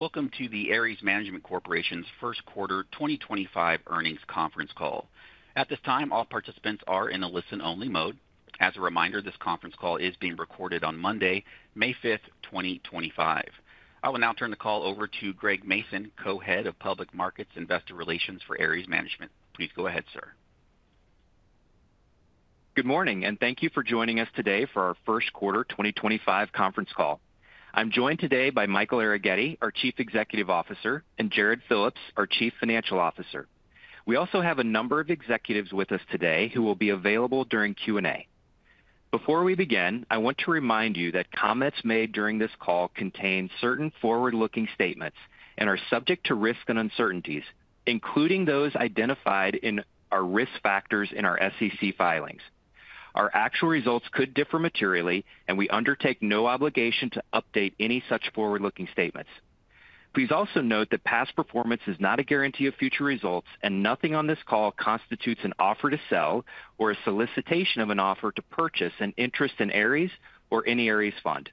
Welcome to the Ares Management Corporation's first quarter 2025 earnings conference call. At this time, all participants are in a listen-only mode. As a reminder, this conference call is being recorded on Monday, May 5th, 2025. I will now turn the call over to Greg Mason, Co-Head of Public Markets Investor Relations for Ares Management. Please go ahead, sir. Good morning, and thank you for joining us today for our first quarter 2025 conference call. I'm joined today by Michael Arougheti, our Chief Executive Officer, and Jarrod Phillips, our Chief Financial Officer. We also have a number of executives with us today who will be available during Q&A. Before we begin, I want to remind you that comments made during this call contain certain forward-looking statements and are subject to risk and uncertainties, including those identified in our risk factors in our SEC filings. Our actual results could differ materially, and we undertake no obligation to update any such forward-looking statements. Please also note that past performance is not a guarantee of future results, and nothing on this call constitutes an offer to sell or a solicitation of an offer to purchase an interest in Ares or any Ares fund.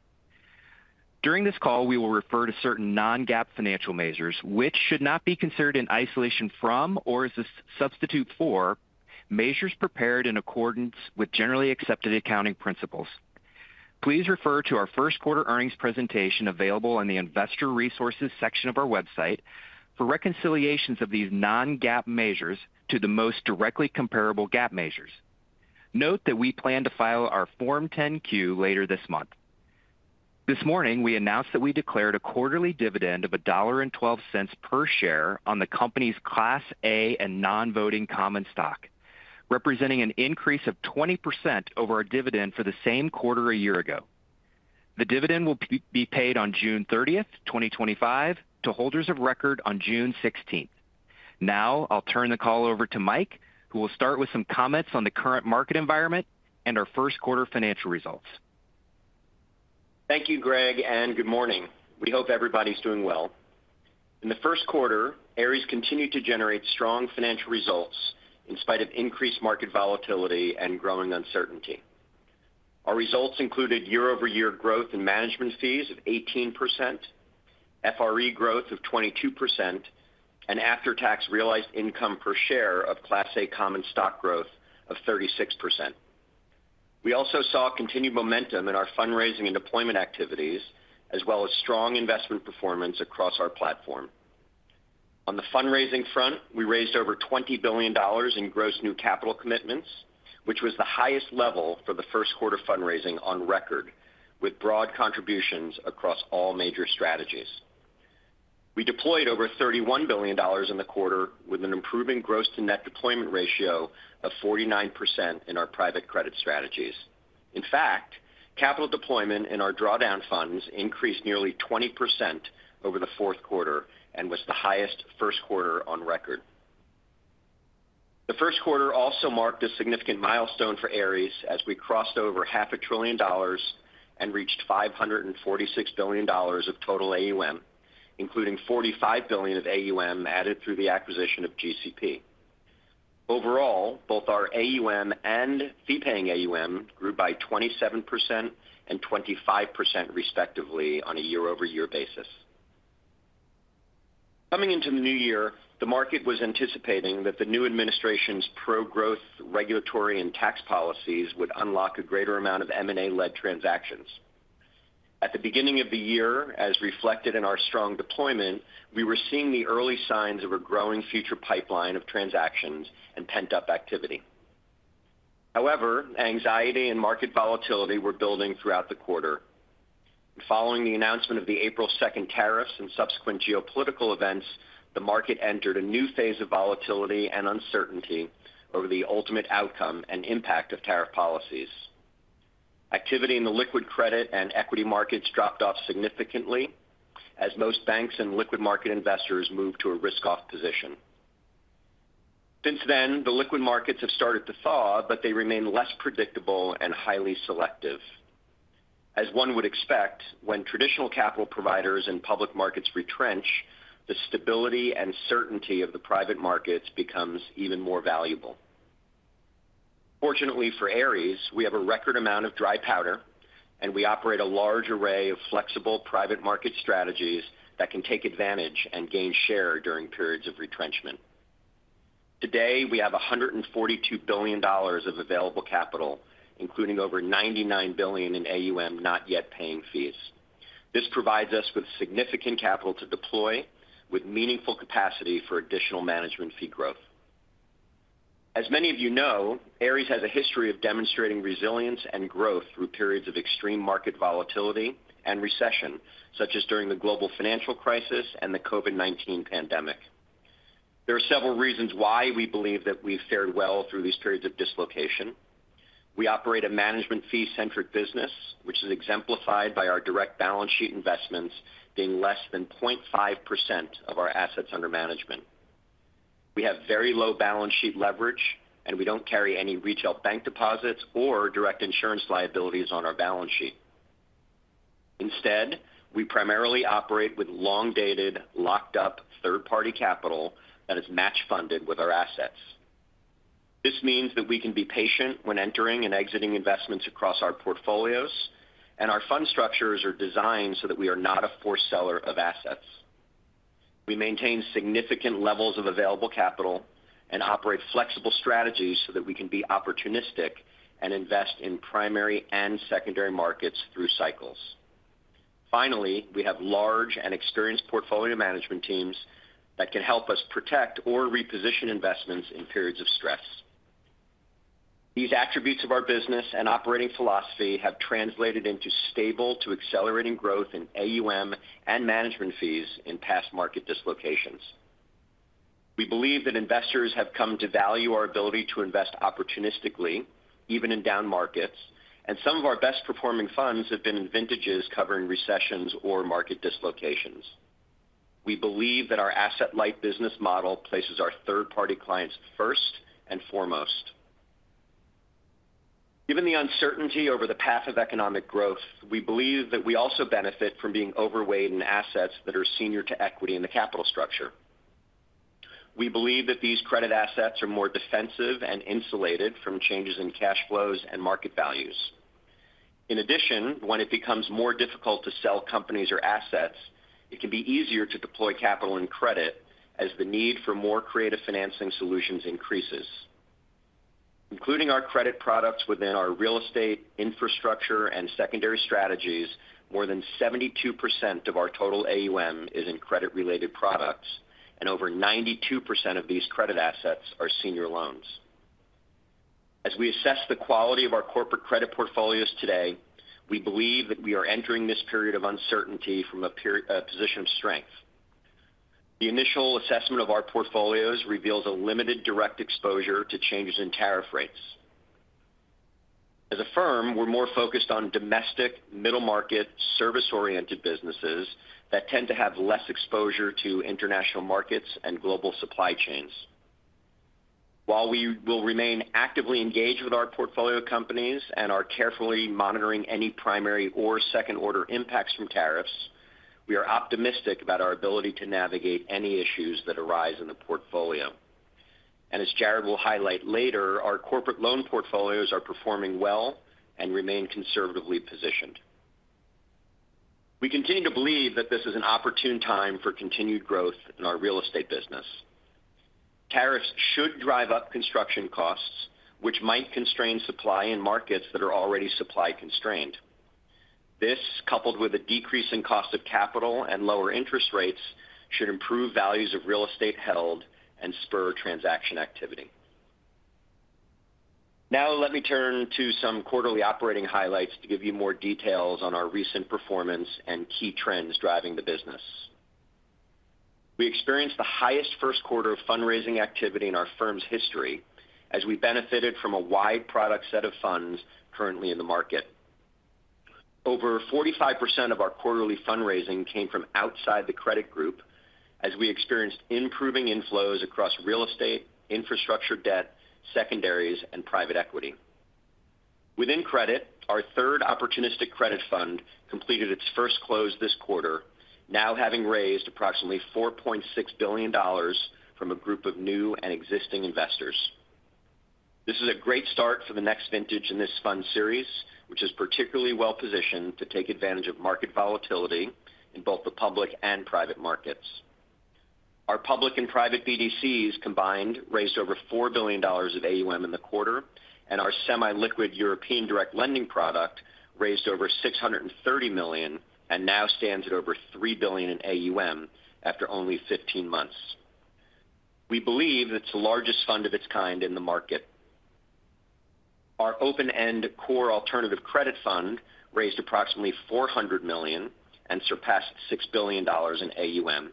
During this call, we will refer to certain non-GAAP financial measures, which should not be considered in isolation from or as a substitute for measures prepared in accordance with generally accepted accounting principles. Please refer to our first quarter earnings presentation available on the Investor Resources section of our website for reconciliations of these non-GAAP measures to the most directly comparable GAAP measures. Note that we plan to file our Form 10-Q later this month. This morning, we announced that we declared a quarterly dividend of $1.12 per share on the company's Class A and non-voting common stock, representing an increase of 20% over our dividend for the same quarter a year ago. The dividend will be paid on June 30th, 2025, to holders of record on June 16. Now, I'll turn the call over to Mike, who will start with some comments on the current market environment and our first quarter financial results. Thank you, Greg, and good morning. We hope everybody's doing well. In the first quarter, Ares continued to generate strong financial results in spite of increased market volatility and growing uncertainty. Our results included year-over-year growth in management fees of 18%, FRE growth of 22%, and after-tax realized income per share of Class A common stock growth of 36%. We also saw continued momentum in our fundraising and deployment activities, as well as strong investment performance across our platform. On the fundraising front, we raised over $20 billion in gross new capital commitments, which was the highest level for the first quarter fundraising on record, with broad contributions across all major strategies. We deployed over $31 billion in the quarter, with an improving gross-to-net deployment ratio of 49% in our private credit strategies. In fact, capital deployment in our drawdown funds increased nearly 20% over the fourth quarter and was the highest first quarter on record. The first quarter also marked a significant milestone for Ares as we crossed over half a trillion dollars and reached $546 billion of total AUM, including $45 billion of AUM added through the acquisition of GCP. Overall, both our AUM and fee-paying AUM grew by 27% and 25% respectively on a year-over-year basis. Coming into the new year, the market was anticipating that the new administration's pro-growth regulatory and tax policies would unlock a greater amount of M&A-led transactions. At the beginning of the year, as reflected in our strong deployment, we were seeing the early signs of a growing future pipeline of transactions and pent-up activity. However, anxiety and market volatility were building throughout the quarter. Following the announcement of the April 2nd tariffs and subsequent geopolitical events, the market entered a new phase of volatility and uncertainty over the ultimate outcome and impact of tariff policies. Activity in the liquid credit and equity markets dropped off significantly as most banks and liquid market investors moved to a risk-off position. Since then, the liquid markets have started to thaw, but they remain less predictable and highly selective. As one would expect, when traditional capital providers and public markets retrench, the stability and certainty of the private markets becomes even more valuable. Fortunately for Ares, we have a record amount of dry powder, and we operate a large array of flexible private market strategies that can take advantage and gain share during periods of retrenchment. Today, we have $142 billion of available capital, including over $99 billion in AUM not yet paying fees. This provides us with significant capital to deploy with meaningful capacity for additional management fee growth. As many of you know, Ares has a history of demonstrating resilience and growth through periods of extreme market volatility and recession, such as during the global financial crisis and the COVID-19 pandemic. There are several reasons why we believe that we've fared well through these periods of dislocation. We operate a management fee-centric business, which is exemplified by our direct balance sheet investments being less than 0.5% of our assets under management. We have very low balance sheet leverage, and we don't carry any retail bank deposits or direct insurance liabilities on our balance sheet. Instead, we primarily operate with long-dated, locked-up third-party capital that is match-funded with our assets. This means that we can be patient when entering and exiting investments across our portfolios, and our fund structures are designed so that we are not a foreseller of assets. We maintain significant levels of available capital and operate flexible strategies so that we can be opportunistic and invest in primary and secondary markets through cycles. Finally, we have large and experienced portfolio management teams that can help us protect or reposition investments in periods of stress. These attributes of our business and operating philosophy have translated into stable to accelerating growth in AUM and management fees in past market dislocations. We believe that investors have come to value our ability to invest opportunistically, even in down markets, and some of our best-performing funds have been in vintages covering recessions or market dislocations. We believe that our asset-light business model places our third-party clients first and foremost. Given the uncertainty over the path of economic growth, we believe that we also benefit from being overweighed in assets that are senior to equity in the capital structure. We believe that these credit assets are more defensive and insulated from changes in cash flows and market values. In addition, when it becomes more difficult to sell companies or assets, it can be easier to deploy capital and credit as the need for more creative financing solutions increases. Including our credit products within our real estate, infrastructure, and secondary strategies, more than 72% of our total AUM is in credit-related products, and over 92% of these credit assets are senior loans. As we assess the quality of our corporate credit portfolios today, we believe that we are entering this period of uncertainty from a position of strength. The initial assessment of our portfolios reveals a limited direct exposure to changes in tariff rates. As a firm, we're more focused on domestic, middle-market, service-oriented businesses that tend to have less exposure to international markets and global supply chains. While we will remain actively engaged with our portfolio companies and are carefully monitoring any primary or second-order impacts from tariffs, we are optimistic about our ability to navigate any issues that arise in the portfolio. As Jarrod will highlight later, our corporate loan portfolios are performing well and remain conservatively positioned. We continue to believe that this is an opportune time for continued growth in our real estate business. Tariffs should drive up construction costs, which might constrain supply in markets that are already supply-constrained. This, coupled with a decrease in cost of capital and lower interest rates, should improve values of real estate held and spur transaction activity. Now, let me turn to some quarterly operating highlights to give you more details on our recent performance and key trends driving the business. We experienced the highest first quarter of fundraising activity in our firm's history as we benefited from a wide product set of funds currently in the market. Over 45% of our quarterly fundraising came from outside the credit group as we experienced improving inflows across real estate, infrastructure debt, secondaries, and private equity. Within credit, our third opportunistic credit fund completed its first close this quarter, now having raised approximately $4.6 billion from a group of new and existing investors. This is a great start for the next vintage in this fund series, which is particularly well-positioned to take advantage of market volatility in both the public and private markets. Our public and private BDCs combined raised over $4 billion of AUM in the quarter, and our semi-liquid European direct lending product raised over $630 million and now stands at over $3 billion in AUM after only 15 months. We believe that it's the largest fund of its kind in the market. Our open-end core alternative credit fund raised approximately $400 million and surpassed $6 billion in AUM.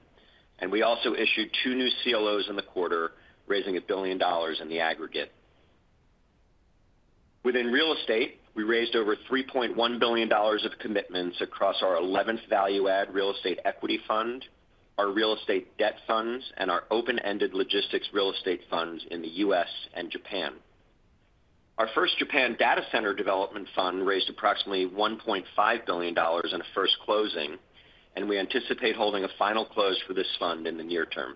We also issued two new CLOs in the quarter, raising $1 billion in the aggregate. Within real estate, we raised over $3.1 billion of commitments across our 11th value-add real estate equity fund, our real estate debt funds, and our open-ended logistics real estate funds in the U.S. and Japan. Our first Japan data center development fund raised approximately $1.5 billion in a first closing, and we anticipate holding a final close for this fund in the near term.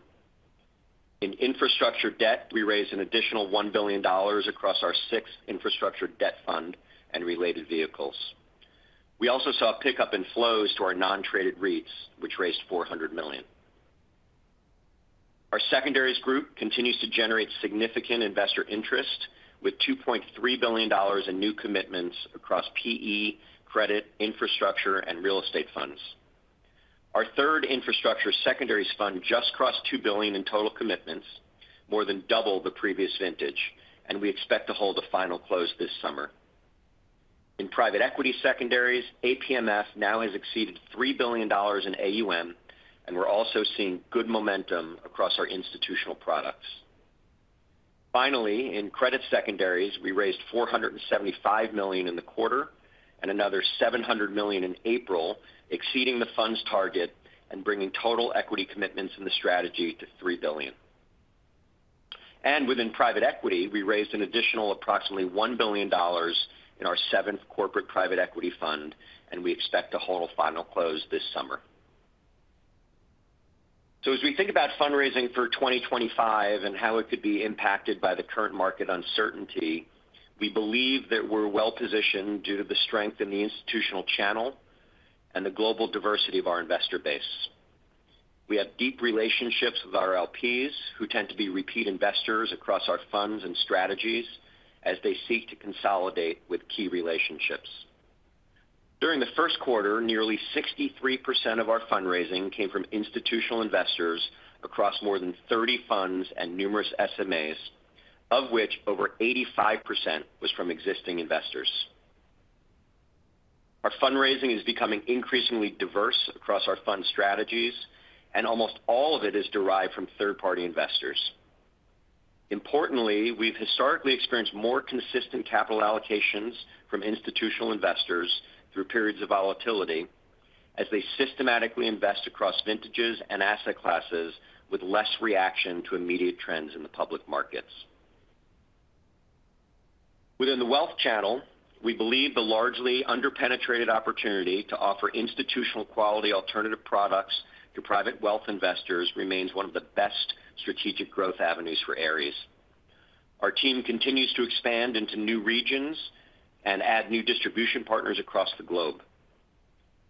In infrastructure debt, we raised an additional $1 billion across our sixth infrastructure debt fund and related vehicles. We also saw a pickup in flows to our non-traded REITs, which raised $400 million. Our secondaries group continues to generate significant investor interest with $2.3 billion in new commitments across PE, credit, infrastructure, and real estate funds. Our third infrastructure secondaries fund just crossed $2 billion in total commitments, more than double the previous vintage, and we expect to hold a final close this summer. In private equity secondaries, APMF now has exceeded $3 billion in AUM, and we're also seeing good momentum across our institutional products. Finally, in credit secondaries, we raised $475 million in the quarter and another $700 million in April, exceeding the fund's target and bringing total equity commitments in the strategy to $3 billion. Within private equity, we raised an additional approximately $1 billion in our seventh corporate private equity fund, and we expect to hold a final close this summer. As we think about fundraising for 2025 and how it could be impacted by the current market uncertainty, we believe that we're well-positioned due to the strength in the institutional channel and the global diversity of our investor base. We have deep relationships with our LPs, who tend to be repeat investors across our funds and strategies as they seek to consolidate with key relationships. During the first quarter, nearly 63% of our fundraising came from institutional investors across more than 30 funds and numerous SMAs, of which over 85% was from existing investors. Our fundraising is becoming increasingly diverse across our fund strategies, and almost all of it is derived from third-party investors. Importantly, we've historically experienced more consistent capital allocations from institutional investors through periods of volatility as they systematically invest across vintages and asset classes with less reaction to immediate trends in the public markets. Within the wealth channel, we believe the largely under-penetrated opportunity to offer institutional quality alternative products to private wealth investors remains one of the best strategic growth avenues for Ares. Our team continues to expand into new regions and add new distribution partners across the globe.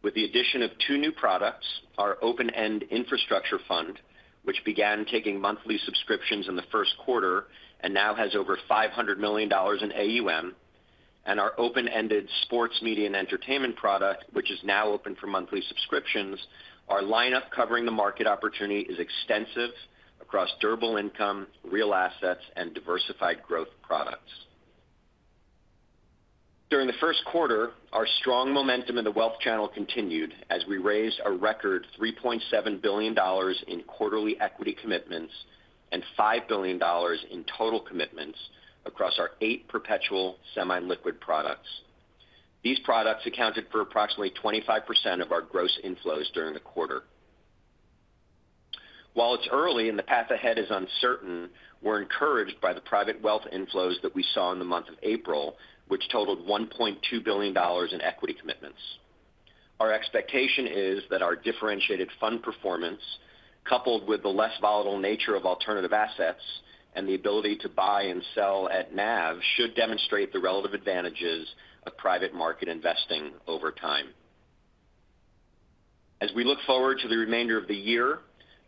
With the addition of two new products, our open-end infrastructure fund, which began taking monthly subscriptions in the first quarter and now has over $500 million in AUM, and our open-ended sports media and entertainment product, which is now open for monthly subscriptions, our lineup covering the market opportunity is extensive across durable income, real assets, and diversified growth products. During the first quarter, our strong momentum in the wealth channel continued as we raised a record $3.7 billion in quarterly equity commitments and $5 billion in total commitments across our eight perpetual semi-liquid products. These products accounted for approximately 25% of our gross inflows during the quarter. While it's early and the path ahead is uncertain, we're encouraged by the private wealth inflows that we saw in the month of April, which totaled $1.2 billion in equity commitments. Our expectation is that our differentiated fund performance, coupled with the less volatile nature of alternative assets and the ability to buy and sell at NAV, should demonstrate the relative advantages of private market investing over time. As we look forward to the remainder of the year,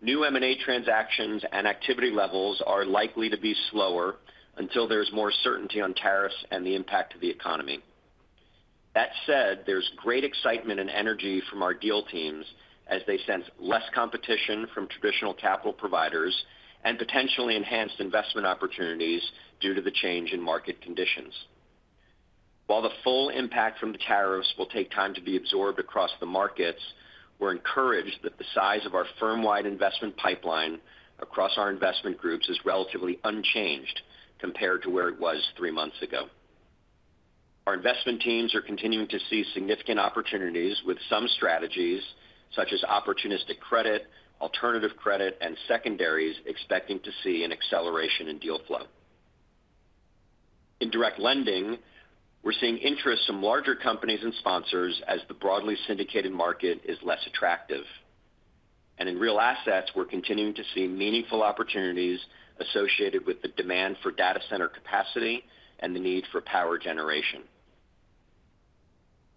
new M&A transactions and activity levels are likely to be slower until there's more certainty on tariffs and the impact of the economy. That said, there's great excitement and energy from our deal teams as they sense less competition from traditional capital providers and potentially enhanced investment opportunities due to the change in market conditions. While the full impact from the tariffs will take time to be absorbed across the markets, we're encouraged that the size of our firm-wide investment pipeline across our investment groups is relatively unchanged compared to where it was three months ago. Our investment teams are continuing to see significant opportunities with some strategies, such as opportunistic credit, alternative credit, and secondaries expecting to see an acceleration in deal flow. In direct lending, we're seeing interest from larger companies and sponsors as the broadly syndicated market is less attractive. In real assets, we're continuing to see meaningful opportunities associated with the demand for data center capacity and the need for power generation.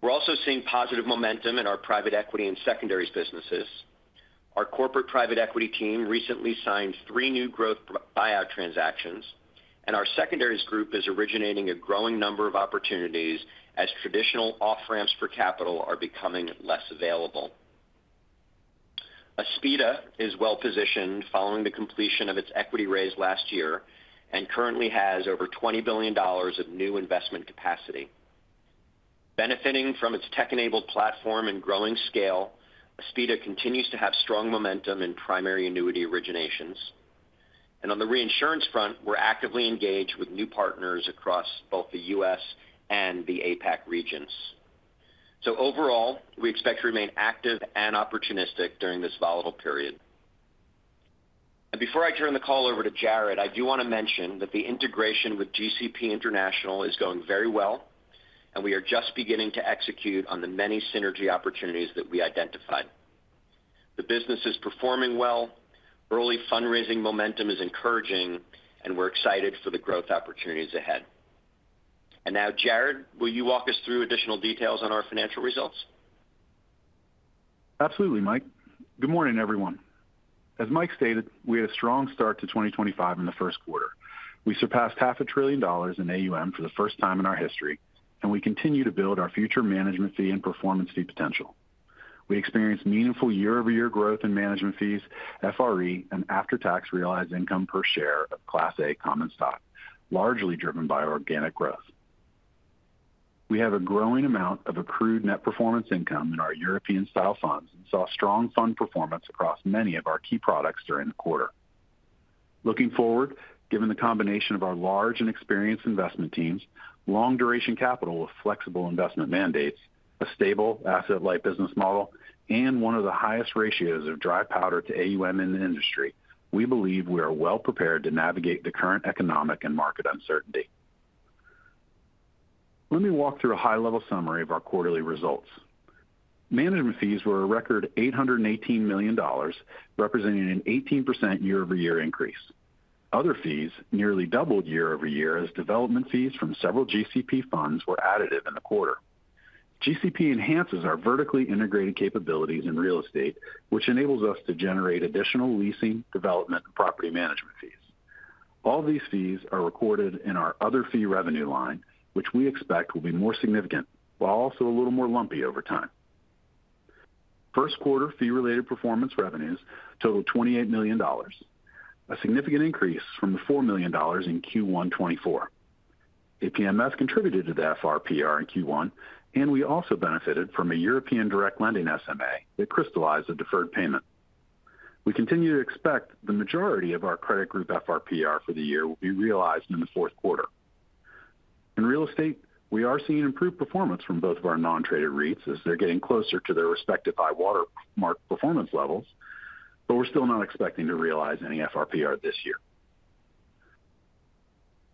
We're also seeing positive momentum in our private equity and secondaries businesses. Our corporate private equity team recently signed three new growth buyout transactions, and our secondaries group is originating a growing number of opportunities as traditional off-ramps for capital are becoming less available. Aspida is well-positioned following the completion of its equity raise last year and currently has over $20 billion of new investment capacity. Benefiting from its tech-enabled platform and growing scale, Aspida continues to have strong momentum in primary annuity originations. On the reinsurance front, we're actively engaged with new partners across both the U.S. and the APAC regions. Overall, we expect to remain active and opportunistic during this volatile period. Before I turn the call over to Jarrod, I do want to mention that the integration with GCP International is going very well, and we are just beginning to execute on the many synergy opportunities that we identified. The business is performing well, early fundraising momentum is encouraging, and we're excited for the growth opportunities ahead. Now, Jarrod, will you walk us through additional details on our financial results? Absolutely, Mike. Good morning, everyone. As Mike stated, we had a strong start to 2025 in the first quarter. We surpassed $500 billion in AUM for the first time in our history, and we continue to build our future management fee and performance fee potential. We experienced meaningful year-over-year growth in management fees, FRE, and after-tax realized income per share of Class A common stock, largely driven by organic growth. We have a growing amount of accrued net performance income in our European-style funds and saw strong fund performance across many of our key products during the quarter. Looking forward, given the combination of our large and experienced investment teams, long-duration capital with flexible investment mandates, a stable asset-like business model, and one of the highest ratios of dry powder to AUM in the industry, we believe we are well-prepared to navigate the current economic and market uncertainty. Let me walk through a high-level summary of our quarterly results. Management fees were a record $818 million, representing an 18% year-over-year increase. Other fees nearly doubled year-over-year as development fees from several GCP funds were additive in the quarter. GCP enhances our vertically integrated capabilities in real estate, which enables us to generate additional leasing, development, and property management fees. All these fees are recorded in our other fee revenue line, which we expect will be more significant while also a little more lumpy over time. First quarter fee-related performance revenues totaled $28 million, a significant increase from the $4 million in Q1 2024. APMF contributed to the FRPR in Q1, and we also benefited from a European direct lending SMA that crystallized a deferred payment. We continue to expect the majority of our credit group FRPR for the year will be realized in the fourth quarter. In real estate, we are seeing improved performance from both of our non-traded REITs as they're getting closer to their respective high-water mark performance levels, but we're still not expecting to realize any FRPR this year.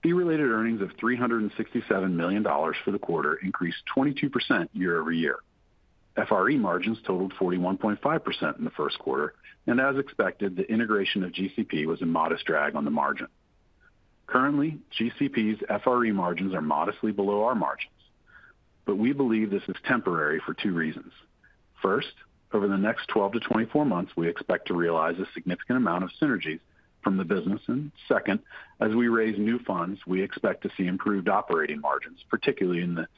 Fee-related earnings of $367 million for the quarter increased 22% year-over-year. FRE margins totaled 41.5% in the first quarter, and as expected, the integration of GCP was a modest drag on the margin. Currently, GCP's FRE margins are modestly below our margins, but we believe this is temporary for two reasons. First, over the next 12-24 months, we expect to realize a significant amount of synergies from the business. Second, as we raise new funds, we expect to see improved operating margins, particularly in the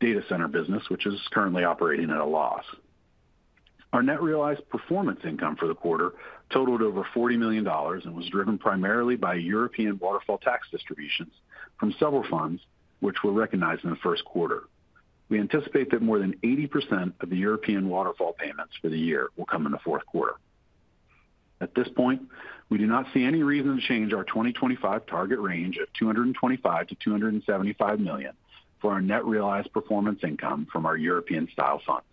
data center business, which is currently operating at a loss. Our net realized performance income for the quarter totaled over $40 million and was driven primarily by European waterfall tax distributions from several funds, which were recognized in the first quarter. We anticipate that more than 80% of the European waterfall payments for the year will come in the fourth quarter. At this point, we do not see any reason to change our 2025 target range of $225-$275 million for our net realized performance income from our European-style funds.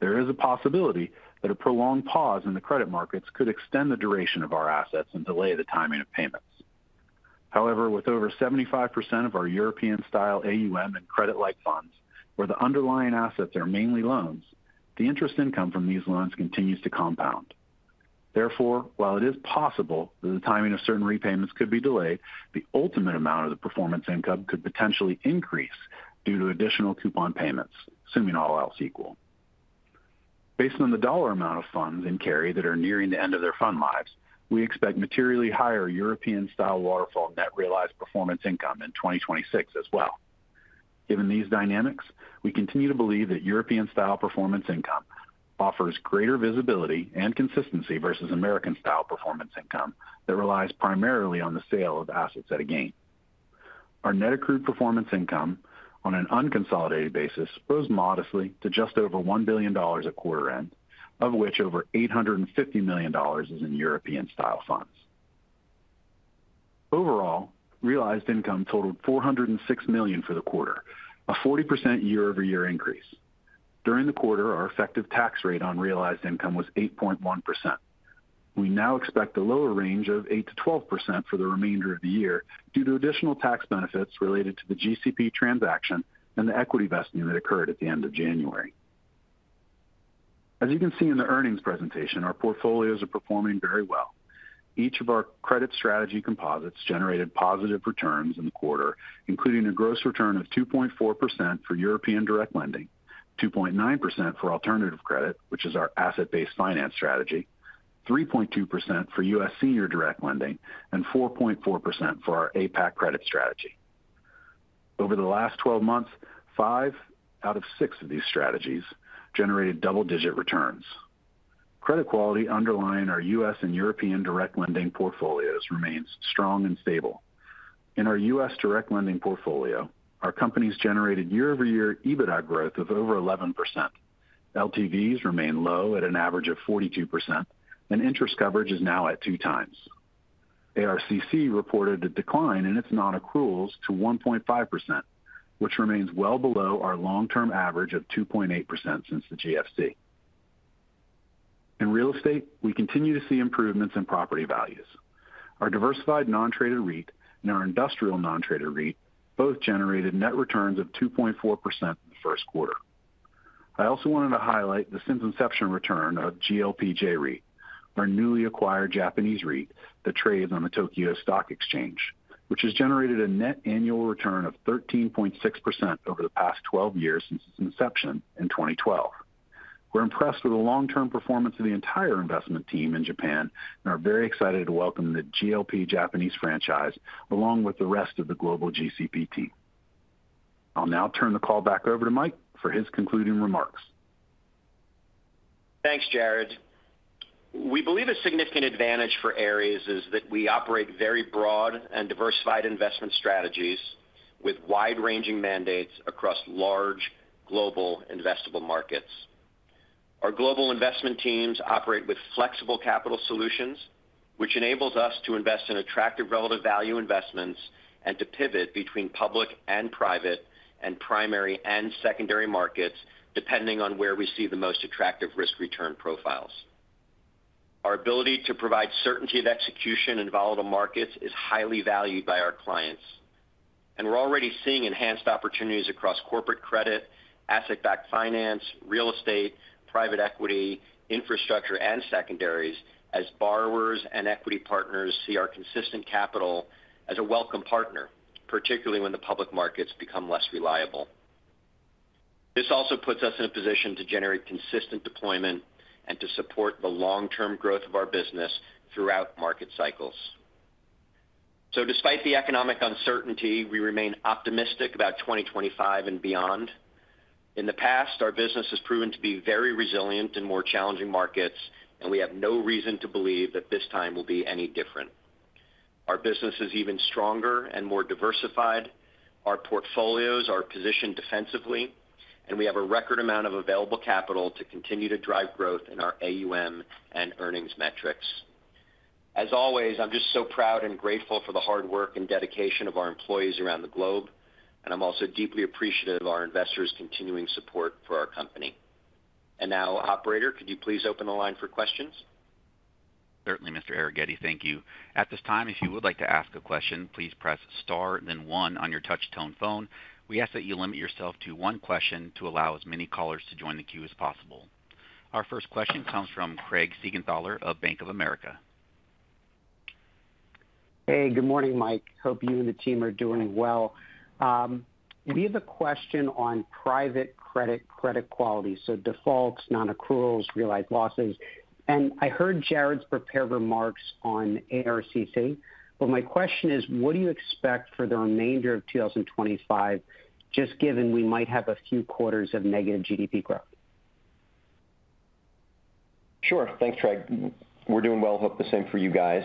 There is a possibility that a prolonged pause in the credit markets could extend the duration of our assets and delay the timing of payments. However, with over 75% of our European-style AUM and credit-like funds, where the underlying assets are mainly loans, the interest income from these loans continues to compound. Therefore, while it is possible that the timing of certain repayments could be delayed, the ultimate amount of the performance income could potentially increase due to additional coupon payments, assuming all else equal. Based on the dollar amount of funds in carry that are nearing the end of their fund lives, we expect materially higher European-style waterfall net realized performance income in 2026 as well. Given these dynamics, we continue to believe that European-style performance income offers greater visibility and consistency versus American-style performance income that relies primarily on the sale of assets at a gain. Our net accrued performance income on an unconsolidated basis rose modestly to just over $1 billion at quarter end, of which over $850 million is in European-style funds. Overall, realized income totaled $406 million for the quarter, a 40% year-over-year increase. During the quarter, our effective tax rate on realized income was 8.1%. We now expect a lower range of 8-12% for the remainder of the year due to additional tax benefits related to the GCP transaction and the equity vesting that occurred at the end of January. As you can see in the earnings presentation, our portfolios are performing very well. Each of our credit strategy composites generated positive returns in the quarter, including a gross return of 2.4% for European direct lending, 2.9% for alternative credit, which is our asset-based finance strategy, 3.2% for U.S. senior direct lending, and 4.4% for our APAC credit strategy. Over the last 12 months, five out of six of these strategies generated double-digit returns. Credit quality underlying our U.S. and European direct lending portfolios remains strong and stable. In our U.S. direct lending portfolio, our companies generated year-over-year EBITDA growth of over 11%. LTVs remain low at an average of 42%, and interest coverage is now at two times. ARCC reported a decline in its non-accruals to 1.5%, which remains well below our long-term average of 2.8% since the GFC. In real estate, we continue to see improvements in property values. Our diversified non-traded REIT and our industrial non-traded REIT both generated net returns of 2.4% in the first quarter. I also wanted to highlight the since-inception return of GLP J-REIT, our newly acquired Japanese REIT that trades on the Tokyo Stock Exchange, which has generated a net annual return of 13.6% over the past 12 years since its inception in 2012. We're impressed with the long-term performance of the entire investment team in Japan and are very excited to welcome the GLP Japanese franchise along with the rest of the global GCP team. I'll now turn the call back over to Mike for his concluding remarks. Thanks, Jarrod. We believe a significant advantage for Ares is that we operate very broad and diversified investment strategies with wide-ranging mandates across large global investable markets. Our global investment teams operate with flexible capital solutions, which enables us to invest in attractive relative value investments and to pivot between public and private and primary and secondary markets depending on where we see the most attractive risk-return profiles. Our ability to provide certainty of execution in volatile markets is highly valued by our clients. We are already seeing enhanced opportunities across corporate credit, asset-backed finance, real estate, private equity, infrastructure, and secondaries as borrowers and equity partners see our consistent capital as a welcome partner, particularly when the public markets become less reliable. This also puts us in a position to generate consistent deployment and to support the long-term growth of our business throughout market cycles. Despite the economic uncertainty, we remain optimistic about 2025 and beyond. In the past, our business has proven to be very resilient in more challenging markets, and we have no reason to believe that this time will be any different. Our business is even stronger and more diversified. Our portfolios are positioned defensively, and we have a record amount of available capital to continue to drive growth in our AUM and earnings metrics. As always, I'm just so proud and grateful for the hard work and dedication of our employees around the globe, and I'm also deeply appreciative of our investors' continuing support for our company. Now, Operator, could you please open the line for questions? Certainly, Mr. Arougheti, thank you. At this time, if you would like to ask a question, please press star then one on your touch-tone phone. We ask that you limit yourself to one question to allow as many callers to join the queue as possible. Our first question comes from Craig Siegenthaler of Bank of America. Hey, good morning, Mike. Hope you and the team are doing well. We have a question on private credit quality. So defaults, non-accruals, realized losses. I heard Jarrod's prepared remarks on ARCC, but my question is, what do you expect for the remainder of 2025, just given we might have a few quarters of negative GDP growth? Sure. Thanks, Craig. We're doing well. Hope the same for you guys.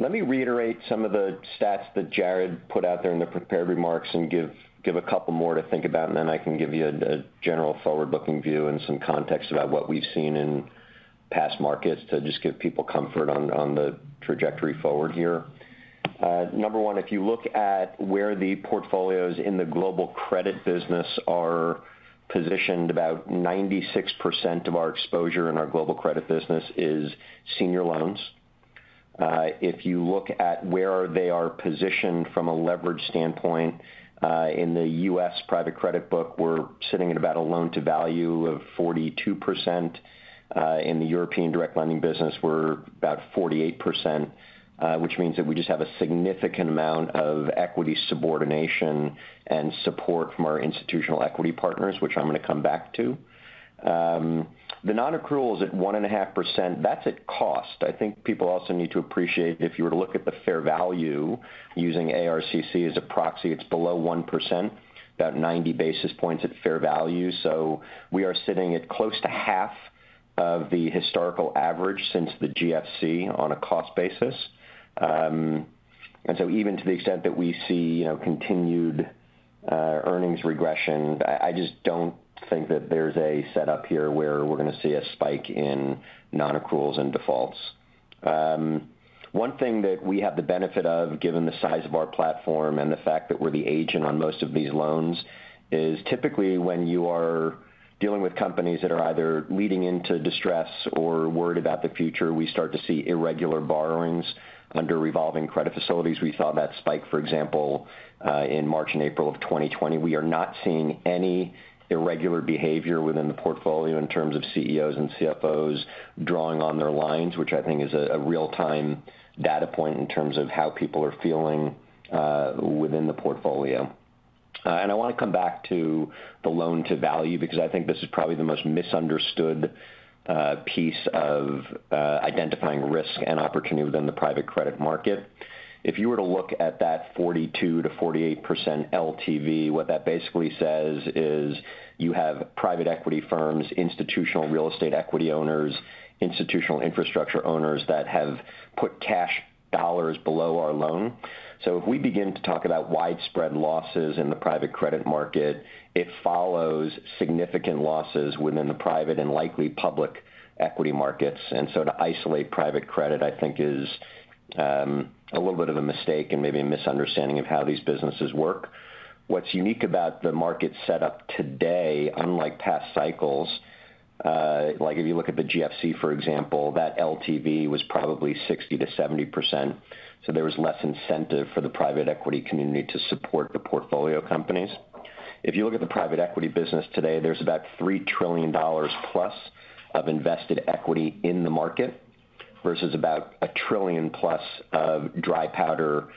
Let me reiterate some of the stats that Jarrod put out there in the prepared remarks and give a couple more to think about, and then I can give you a general forward-looking view and some context about what we've seen in past markets to just give people comfort on the trajectory forward here. Number one, if you look at where the portfolios in the global credit business are positioned, about 96% of our exposure in our global credit business is senior loans. If you look at where they are positioned from a leverage standpoint, in the U.S. private credit book, we're sitting at about a loan-to-value of 42%. In the European direct lending business, we're about 48%, which means that we just have a significant amount of equity subordination and support from our institutional equity partners, which I'm going to come back to. The non-accrual is at 1.5%. That's at cost. I think people also need to appreciate if you were to look at the fair value using ARCC as a proxy, it's below 1%, about 90 basis points at fair value. We are sitting at close to half of the historical average since the GFC on a cost basis. Even to the extent that we see continued earnings regression, I just don't think that there's a setup here where we're going to see a spike in non-accruals and defaults. One thing that we have the benefit of, given the size of our platform and the fact that we're the agent on most of these loans, is typically when you are dealing with companies that are either leading into distress or worried about the future, we start to see irregular borrowings under revolving credit facilities. We saw that spike, for example, in March and April of 2020. We are not seeing any irregular behavior within the portfolio in terms of CEOs and CFOs drawing on their lines, which I think is a real-time data point in terms of how people are feeling within the portfolio. I want to come back to the loan-to-value because I think this is probably the most misunderstood piece of identifying risk and opportunity within the private credit market. If you were to look at that 42-48% LTV, what that basically says is you have private equity firms, institutional real estate equity owners, institutional infrastructure owners that have put cash dollars below our loan. If we begin to talk about widespread losses in the private credit market, it follows significant losses within the private and likely public equity markets. To isolate private credit, I think, is a little bit of a mistake and maybe a misunderstanding of how these businesses work. What's unique about the market setup today, unlike past cycles, like if you look at the GFC, for example, that LTV was probably 60-70%. There was less incentive for the private equity community to support the portfolio companies. If you look at the private equity business today, there's about $3 trillion plus of invested equity in the market versus about $1 trillion plus of dry powder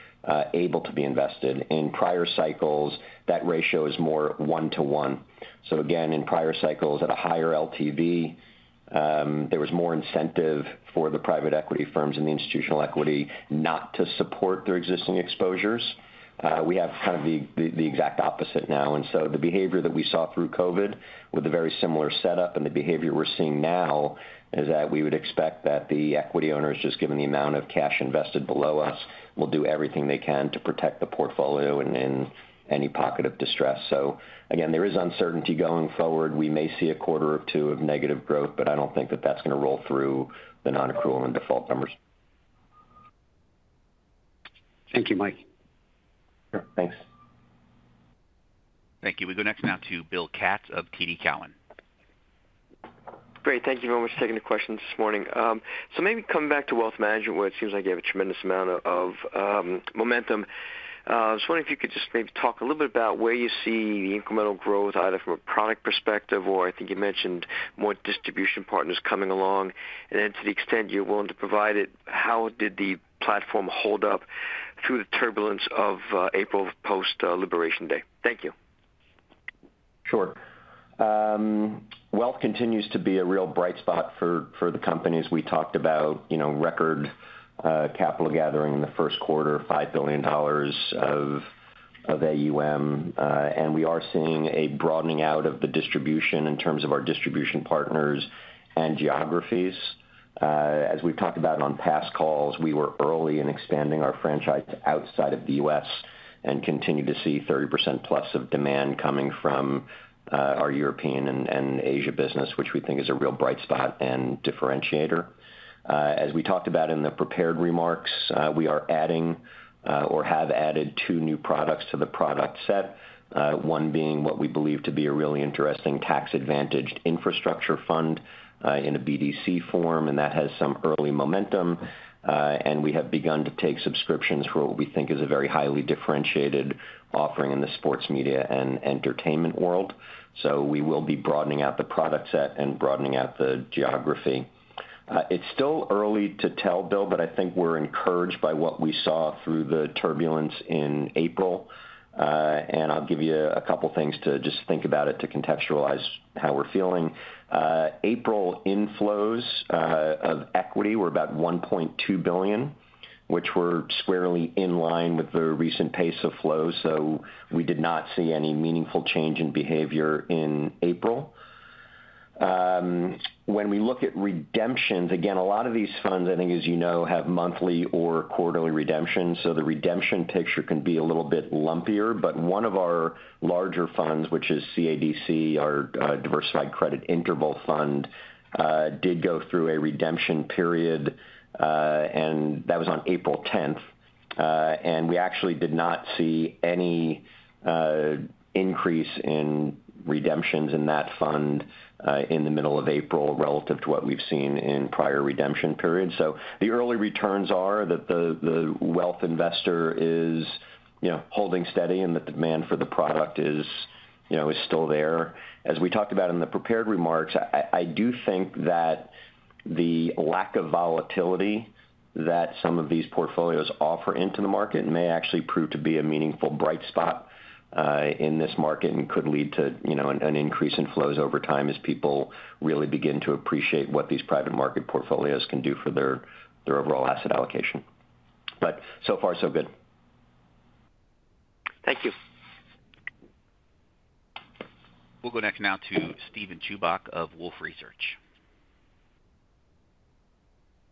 able to be invested. In prior cycles, that ratio is more one-to-one. In prior cycles at a higher LTV, there was more incentive for the private equity firms and the institutional equity not to support their existing exposures. We have kind of the exact opposite now. The behavior that we saw through COVID with a very similar setup and the behavior we are seeing now is that we would expect that the equity owners, just given the amount of cash invested below us, will do everything they can to protect the portfolio in any pocket of distress. Again, there is uncertainty going forward. We may see a quarter or two of negative growth, but I do not think that is going to roll through the non-accrual and default numbers. Thank you, Mike. Sure. Thanks. Thank you. We go next now to Bill Katz of TD Cowen. Great. Thank you very much for taking the questions this morning. Maybe coming back to wealth management, where it seems like you have a tremendous amount of momentum. I was wondering if you could just maybe talk a little bit about where you see the incremental growth, either from a product perspective or I think you mentioned more distribution partners coming along. To the extent you're willing to provide it, how did the platform hold up through the turbulence of April post-Liberation Day? Thank you. Sure. Wealth continues to be a real bright spot for the companies. We talked about record capital gathering in the first quarter, $5 billion of AUM. We are seeing a broadening out of the distribution in terms of our distribution partners and geographies. As we've talked about on past calls, we were early in expanding our franchise outside of the U.S. and continue to see 30% plus of demand coming from our European and Asia business, which we think is a real bright spot and differentiator. As we talked about in the prepared remarks, we are adding or have added two new products to the product set, one being what we believe to be a really interesting tax-advantaged infrastructure fund in a BDC form, and that has some early momentum. We have begun to take subscriptions for what we think is a very highly differentiated offering in the sports media and entertainment world. We will be broadening out the product set and broadening out the geography. It's still early to tell, Bill, but I think we're encouraged by what we saw through the turbulence in April. I'll give you a couple of things to just think about to contextualize how we're feeling. April inflows of equity were about $1.2 billion, which were squarely in line with the recent pace of flow. We did not see any meaningful change in behavior in April. When we look at redemptions, again, a lot of these funds, I think, as you know, have monthly or quarterly redemptions. The redemption picture can be a little bit lumpier. One of our larger funds, which is CADC, our diversified credit interval fund, did go through a redemption period, and that was on April 10th. We actually did not see any increase in redemptions in that fund in the middle of April relative to what we've seen in prior redemption periods. The early returns are that the wealth investor is holding steady and that the demand for the product is still there. As we talked about in the prepared remarks, I do think that the lack of volatility that some of these portfolios offer into the market may actually prove to be a meaningful bright spot in this market and could lead to an increase in flows over time as people really begin to appreciate what these private market portfolios can do for their overall asset allocation. So far, so good. Thank you. We'll go next now to Steven Chubak of Wolfe Research.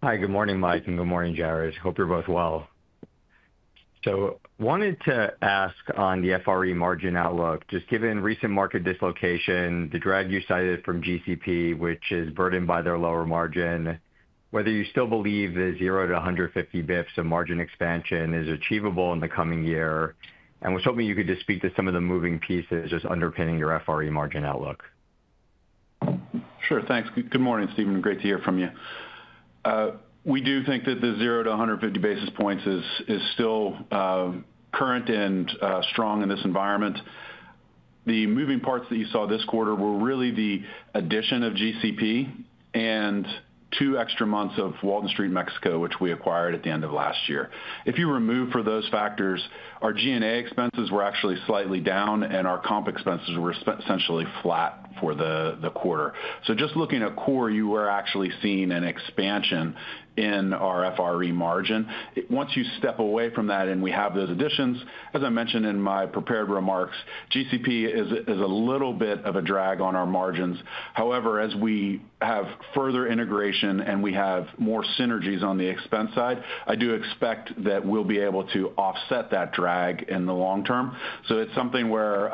Hi, good morning, Mike, and good morning, Jarrod. Hope you're both well. Wanted to ask on the FRE margin outlook. Just given recent market dislocation, the drag you cited from GCP, which is burdened by their lower margin, whether you still believe the 0-150 basis points of margin expansion is achievable in the coming year. I was hoping you could just speak to some of the moving pieces just underpinning your FRE margin outlook. Sure. Thanks. Good morning, Steven. Great to hear from you. We do think that the 0-150 basis points is still current and strong in this environment. The moving parts that you saw this quarter were really the addition of GCP and two extra months of Walton Street Mexico, which we acquired at the end of last year. If you remove for those factors, our G&A expenses were actually slightly down, and our comp expenses were essentially flat for the quarter. Just looking at core, you were actually seeing an expansion in our FRE margin. Once you step away from that and we have those additions, as I mentioned in my prepared remarks, GCP is a little bit of a drag on our margins. However, as we have further integration and we have more synergies on the expense side, I do expect that we'll be able to offset that drag in the long term. It is something where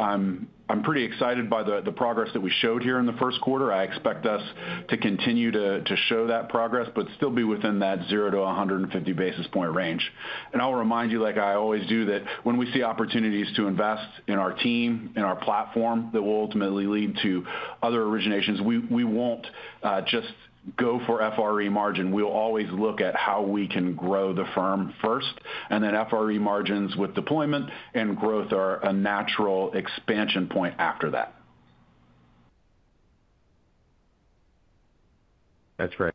I'm pretty excited by the progress that we showed here in the first quarter. I expect us to continue to show that progress, but still be within that 0-150 basis point range. I'll remind you, like I always do, that when we see opportunities to invest in our team, in our platform, that will ultimately lead to other originations, we won't just go for FRE margin. We will always look at how we can grow the firm first, and then FRE margins with deployment and growth are a natural expansion point after that. That's right.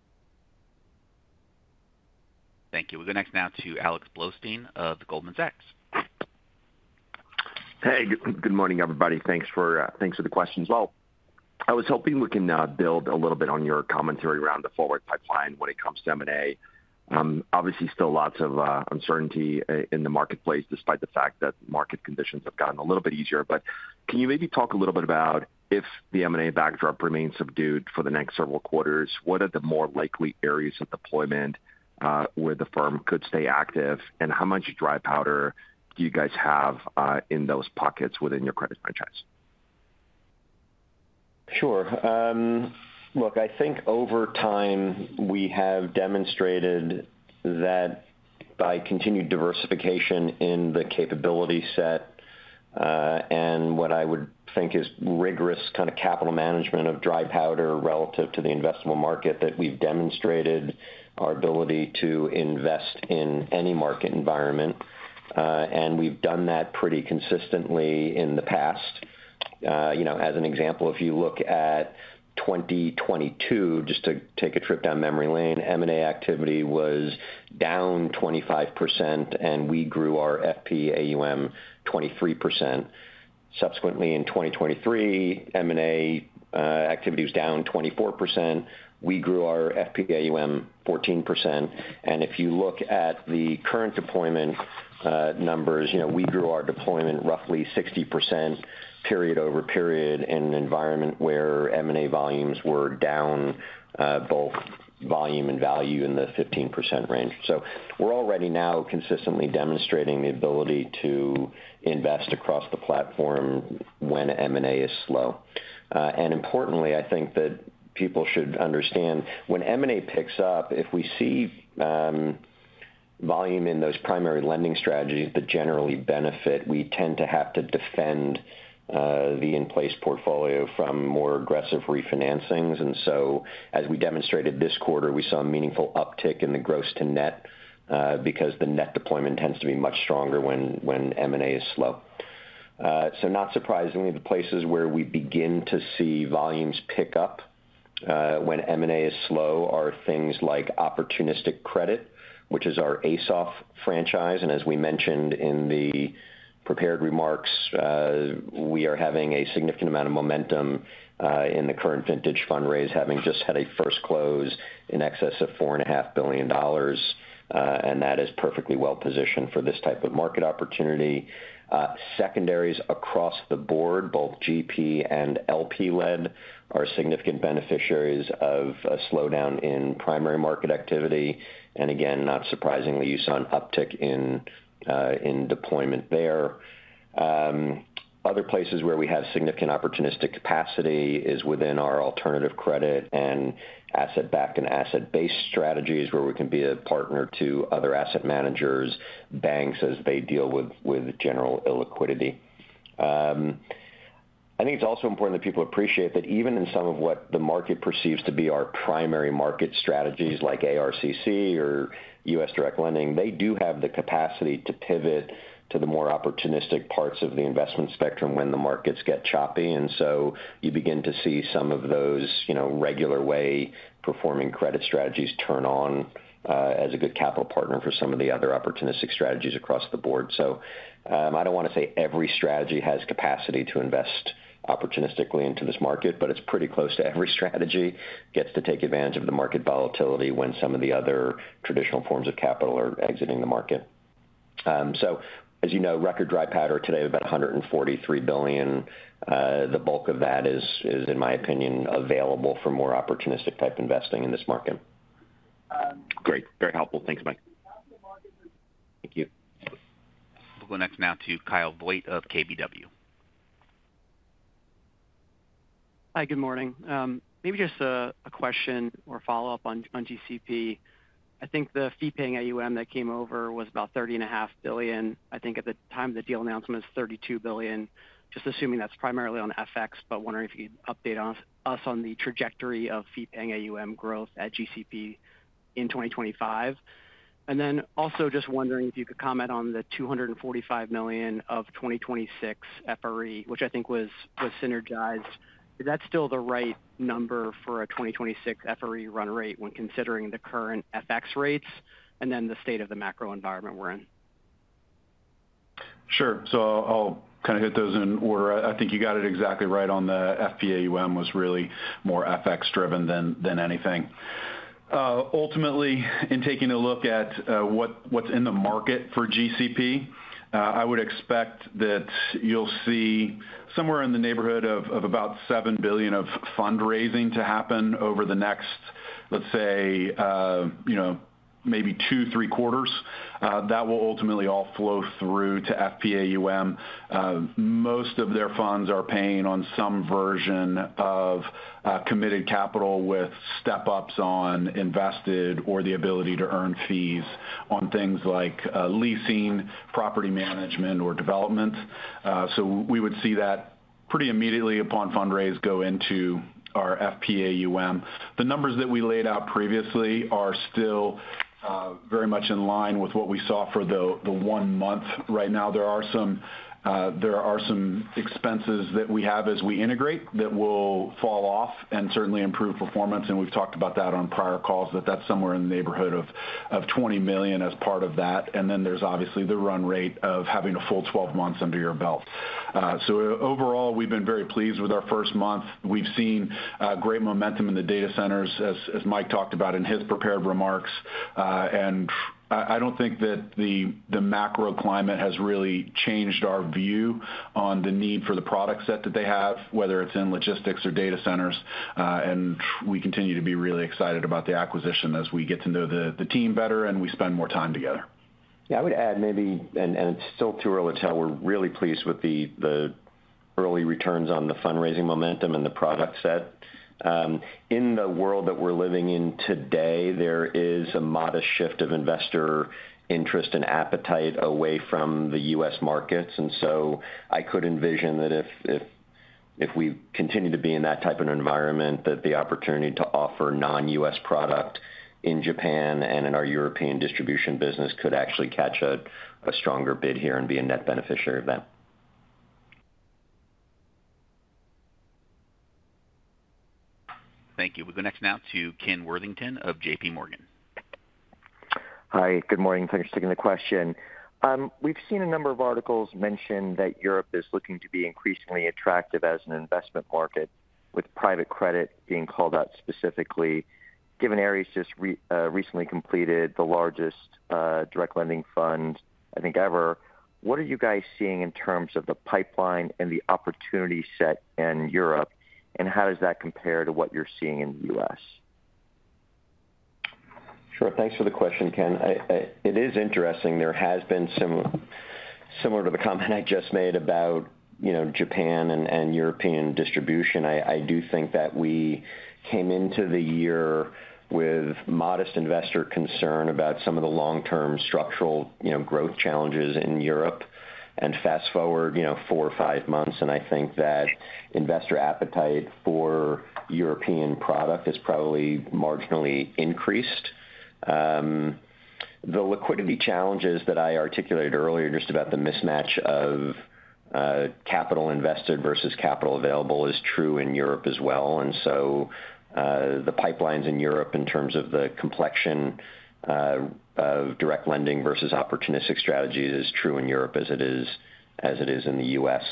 Thank you. We'll go next now to Alex Blostein of Goldman Sachs. Hey, good morning, everybody. Thanks for the question as well. I was hoping we can build a little bit on your commentary around the forward pipeline when it comes to M&A. Obviously, still lots of uncertainty in the marketplace despite the fact that market conditions have gotten a little bit easier. Can you maybe talk a little bit about if the M&A backdrop remains subdued for the next several quarters, what are the more likely areas of deployment where the firm could stay active, and how much dry powder do you guys have in those pockets within your credit franchise? Sure. Look, I think over time we have demonstrated that by continued diversification in the capability set and what I would think is rigorous kind of capital management of dry powder relative to the investable market that we've demonstrated our ability to invest in any market environment. We have done that pretty consistently in the past. As an example, if you look at 2022, just to take a trip down memory lane, M&A activity was down 25%, and we grew our FPAUM 23%. Subsequently, in 2023, M&A activity was down 24%. We grew our FPAUM 14%. If you look at the current deployment numbers, we grew our deployment roughly 60% period over period in an environment where M&A volumes were down both volume and value in the 15% range. We are already now consistently demonstrating the ability to invest across the platform when M&A is slow. Importantly, I think that people should understand when M&A picks up, if we see volume in those primary lending strategies that generally benefit, we tend to have to defend the in-place portfolio from more aggressive refinancings. As we demonstrated this quarter, we saw a meaningful uptick in the gross to net because the net deployment tends to be much stronger when M&A is slow. Not surprisingly, the places where we begin to see volumes pick up when M&A is slow are things like opportunistic credit, which is our ASOF franchise. As we mentioned in the prepared remarks, we are having a significant amount of momentum in the current vintage fundraise, having just had a first close in excess of $4.5 billion. That is perfectly well-positioned for this type of market opportunity. Secondaries across the board, both GP and LP-led, are significant beneficiaries of a slowdown in primary market activity. Not surprisingly, you saw an uptick in deployment there. Other places where we have significant opportunistic capacity is within our alternative credit and asset-backed and asset-based strategies where we can be a partner to other asset managers, banks as they deal with general illiquidity. I think it's also important that people appreciate that even in some of what the market perceives to be our primary market strategies like ARCC or U.S. direct lending, they do have the capacity to pivot to the more opportunistic parts of the investment spectrum when the markets get choppy. You begin to see some of those regular way performing credit strategies turn on as a good capital partner for some of the other opportunistic strategies across the board. I do not want to say every strategy has capacity to invest opportunistically into this market, but it is pretty close to every strategy gets to take advantage of the market volatility when some of the other traditional forms of capital are exiting the market. As you know, record dry powder today of about $143 billion. The bulk of that is, in my opinion, available for more opportunistic type investing in this market. Great. Very helpful. Thanks, Mike. Thank you. We will go next now to Kyle Voigt of KBW. Hi, good morning. Maybe just a question or follow-up on GCP. I think the fee-paying AUM that came over was about $30.5 billion. I think at the time of the deal announcement, it was $32 billion. Just assuming that is primarily on FX, but wondering if you could update us on the trajectory of fee-paying AUM growth at GCP in 2025. Also, just wondering if you could comment on the $245 million of 2026 FRE, which I think was synergized. Is that still the right number for a 2026 FRE run rate when considering the current FX rates and then the state of the macro environment we're in? Sure. I'll kind of hit those in order. I think you got it exactly right on the FPAUM was really more FX-driven than anything. Ultimately, in taking a look at what's in the market for GCP, I would expect that you'll see somewhere in the neighborhood of about $7 billion of fundraising to happen over the next, let's say, maybe two, three quarters. That will ultimately all flow through to FPAUM. Most of their funds are paying on some version of committed capital with step-ups on invested or the ability to earn fees on things like leasing, property management, or development. We would see that pretty immediately upon fundraise go into our FPAUM. The numbers that we laid out previously are still very much in line with what we saw for the one month. Right now, there are some expenses that we have as we integrate that will fall off and certainly improve performance. We've talked about that on prior calls, that that's somewhere in the neighborhood of $20 million as part of that. There is obviously the run rate of having a full 12 months under your belt. Overall, we've been very pleased with our first month. We've seen great momentum in the data centers, as Mike talked about in his prepared remarks. I do not think that the macro climate has really changed our view on the need for the product set that they have, whether it is in logistics or data centers. We continue to be really excited about the acquisition as we get to know the team better and we spend more time together. I would add maybe, and it is still too early to tell, we are really pleased with the early returns on the fundraising momentum and the product set. In the world that we are living in today, there is a modest shift of investor interest and appetite away from the U.S. markets. I could envision that if we continue to be in that type of environment, the opportunity to offer non-U.S. product in Japan and in our European distribution business could actually catch a stronger bid here and be a net beneficiary of that. Thank you. We'll go next now to Ken Worthington of JPMorgan. Hi, good morning. Thanks for taking the question. We've seen a number of articles mention that Europe is looking to be increasingly attractive as an investment market, with private credit being called out specifically. Given Ares just recently completed the largest direct lending fund, I think, ever, what are you guys seeing in terms of the pipeline and the opportunity set in Europe, and how does that compare to what you're seeing in the U.S.? Sure. Thanks for the question, Ken. It is interesting. There has been some similar to the comment I just made about Japan and European distribution. I do think that we came into the year with modest investor concern about some of the long-term structural growth challenges in Europe. Fast forward four or five months, and I think that investor appetite for European product has probably marginally increased. The liquidity challenges that I articulated earlier just about the mismatch of capital invested versus capital available is true in Europe as well. The pipelines in Europe in terms of the complexion of direct lending versus opportunistic strategies is true in Europe as it is in the U.S.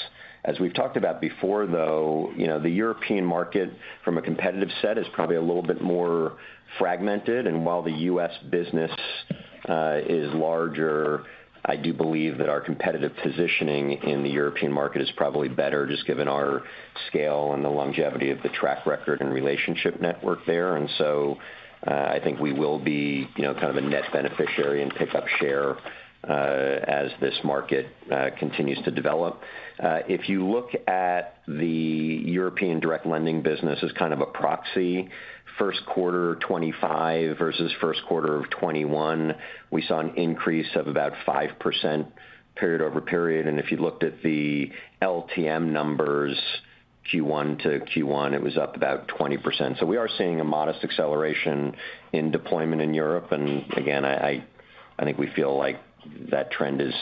As we've talked about before, though, the European market from a competitive set is probably a little bit more fragmented. While the U.S. business is larger, I do believe that our competitive positioning in the European market is probably better just given our scale and the longevity of the track record and relationship network there. I think we will be kind of a net beneficiary and pickup share as this market continues to develop. If you look at the European direct lending business as kind of a proxy, first quarter 2025 versus first quarter of 2021, we saw an increase of about 5% period over period. If you looked at the LTM numbers Q1 to Q1, it was up about 20%. We are seeing a modest acceleration in deployment in Europe. I think we feel like that trend is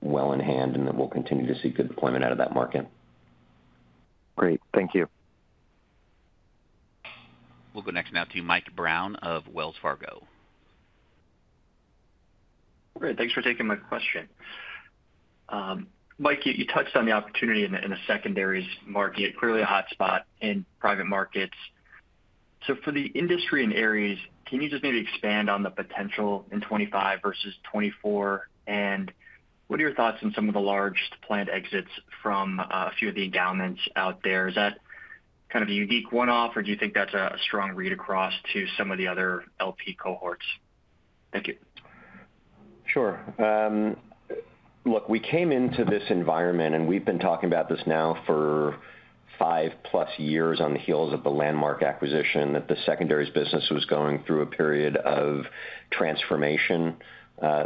well in hand and that we will continue to see good deployment out of that market. Great. Thank you. We will go next now to Mike Brown of Wells Fargo. Great. Thanks for taking my question. Mike, you touched on the opportunity in the secondaries market, clearly a hotspot in private markets. For the industry in areas, can you just maybe expand on the potential in 2025 versus 2024? What are your thoughts on some of the largest planned exits from a few of the endowments out there? Is that kind of a unique one-off, or do you think that's a strong read across to some of the other LP cohorts? Thank you. Sure. Look, we came into this environment, and we've been talking about this now for five plus years on the heels of the Landmark acquisition, that the secondaries business was going through a period of transformation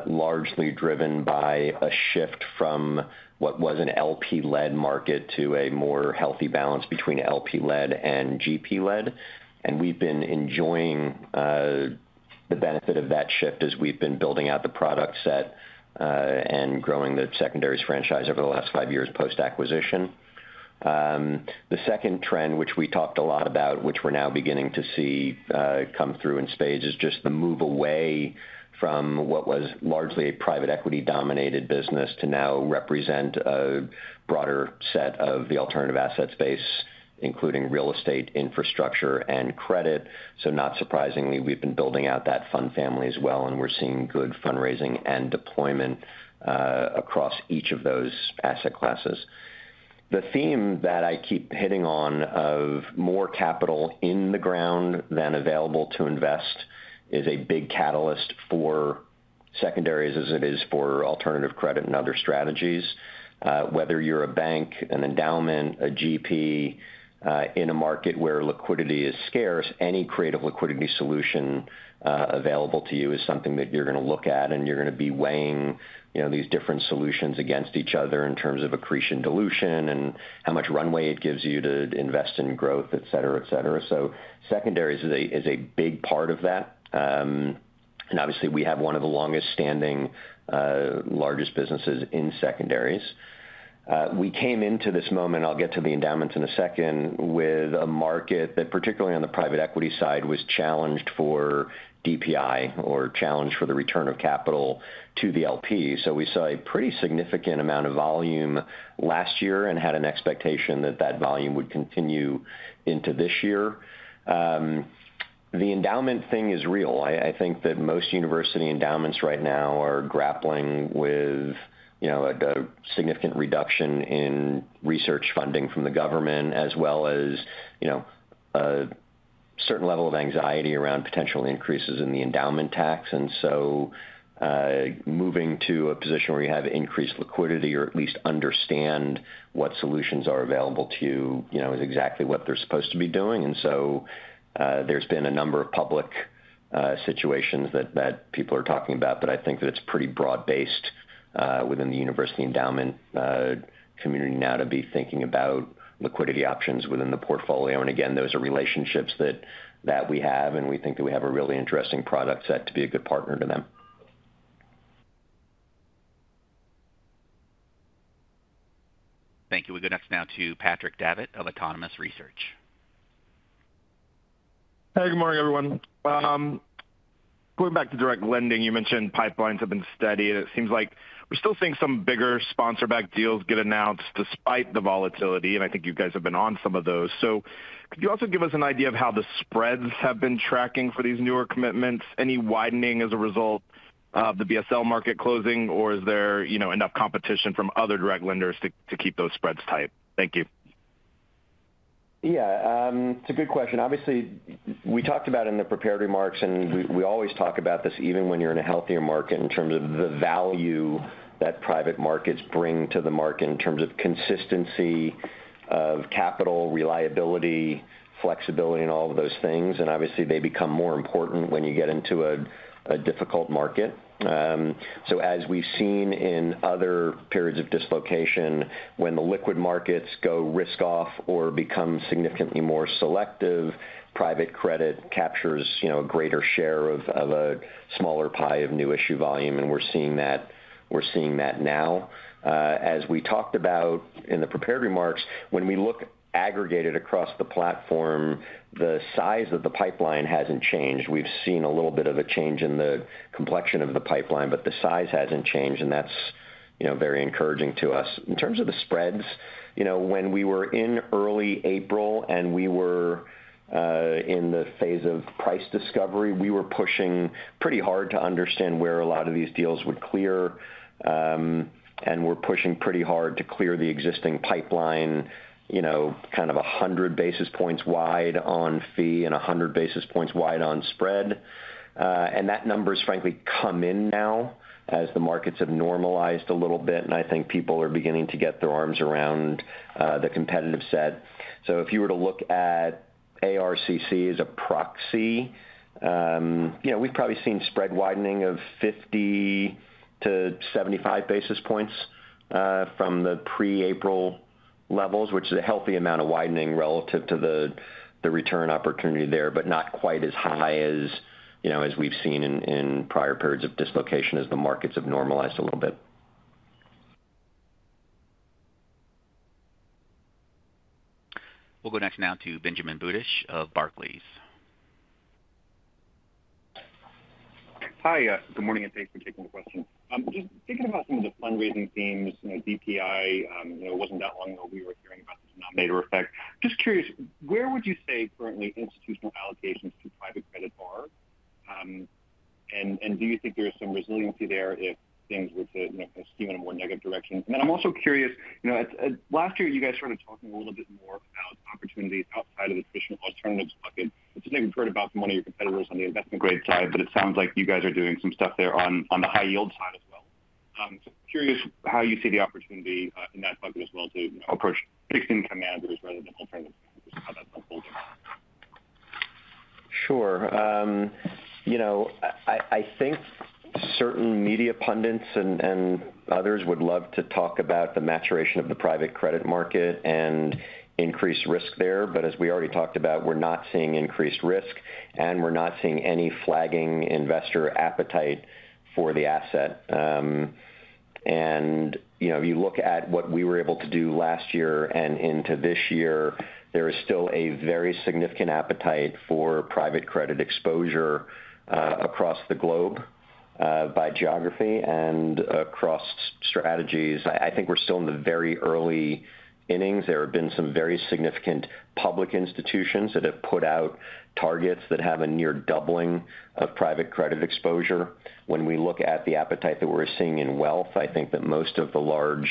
largely driven by a shift from what was an LP-led market to a more healthy balance between LP-led and GP-led. We have been enjoying the benefit of that shift as we have been building out the product set and growing the secondaries franchise over the last five years post-acquisition. The second trend, which we talked a lot about, which we're now beginning to see come through in spades, is just the move away from what was largely a private equity dominated business to now represent a broader set of the alternative asset space, including real estate, infrastructure, and credit. Not surprisingly, we've been building out that fund family as well, and we're seeing good fundraising and deployment across each of those asset classes. The theme that I keep hitting on of more capital in the ground than available to invest is a big catalyst for secondaries as it is for alternative credit and other strategies. Whether you're a bank, an endowment, a GP, in a market where liquidity is scarce, any creative liquidity solution available to you is something that you're going to look at, and you're going to be weighing these different solutions against each other in terms of accretion dilution and how much runway it gives you to invest in growth, etc., etc. Secondaries is a big part of that. Obviously, we have one of the longest-standing largest businesses in secondaries. We came into this moment, and I'll get to the endowments in a second, with a market that particularly on the private equity side was challenged for DPI or challenged for the return of capital to the LP. We saw a pretty significant amount of volume last year and had an expectation that that volume would continue into this year. The endowment thing is real. I think that most university endowments right now are grappling with a significant reduction in research funding from the government, as well as a certain level of anxiety around potential increases in the endowment tax. Moving to a position where you have increased liquidity or at least understand what solutions are available to you is exactly what they're supposed to be doing. There has been a number of public situations that people are talking about, but I think that it's pretty broad-based within the university endowment community now to be thinking about liquidity options within the portfolio. Again, those are relationships that we have, and we think that we have a really interesting product set to be a good partner to them. Thank you. We'll go next now to Patrick Davitt of Autonomous Research. Hey, good morning, everyone. Going back to direct lending, you mentioned pipelines have been steady, and it seems like we're still seeing some bigger sponsor-backed deals get announced despite the volatility, and I think you guys have been on some of those. Could you also give us an idea of how the spreads have been tracking for these newer commitments? Any widening as a result of the BSL market closing, or is there enough competition from other direct lenders to keep those spreads tight? Thank you. Yeah, it's a good question. Obviously, we talked about it in the prepared remarks, and we always talk about this even when you're in a healthier market in terms of the value that private markets bring to the market in terms of consistency of capital, reliability, flexibility, and all of those things. Obviously, they become more important when you get into a difficult market. As we have seen in other periods of dislocation, when the liquid markets go risk-off or become significantly more selective, private credit captures a greater share of a smaller pie of new issue volume, and we are seeing that now. As we talked about in the prepared remarks, when we look aggregated across the platform, the size of the pipeline has not changed. We have seen a little bit of a change in the complexion of the pipeline, but the size has not changed, and that is very encouraging to us. In terms of the spreads, when we were in early April and we were in the phase of price discovery, we were pushing pretty hard to understand where a lot of these deals would clear, and we are pushing pretty hard to clear the existing pipeline kind of 100 basis points wide on fee and 100 basis points wide on spread. That number has frankly come in now as the markets have normalized a little bit, and I think people are beginning to get their arms around the competitive set. If you were to look at ARCC as a proxy, we've probably seen spread widening of 50-75 basis points from the pre-April levels, which is a healthy amount of widening relative to the return opportunity there, but not quite as high as we've seen in prior periods of dislocation as the markets have normalized a little bit. We'll go next now to Benjamin Budish of Barclays. Hi, good morning and thanks for taking the question. Just thinking about some of the fundraising themes, DPI, it wasn't that long ago we were hearing about the denominator effect. Just curious, where would you say currently institutional allocations to private credit are? Do you think there is some resiliency there if things were to kind of steer in a more negative direction? I am also curious, last year you guys started talking a little bit more about opportunities outside of the traditional alternatives bucket. It is something we have heard about from one of your competitors on the investment-grade side, but it sounds like you guys are doing some stuff there on the high-yield side as well. Curious how you see the opportunity in that bucket as well to approach fixed-income managers rather than alternative managers. How does that bold look? Sure. I think certain media pundits and others would love to talk about the maturation of the private credit market and increased risk there, but as we already talked about, we are not seeing increased risk, and we are not seeing any flagging investor appetite for the asset. If you look at what we were able to do last year and into this year, there is still a very significant appetite for private credit exposure across the globe by geography and across strategies. I think we're still in the very early innings. There have been some very significant public institutions that have put out targets that have a near doubling of private credit exposure. When we look at the appetite that we're seeing in wealth, I think that most of the large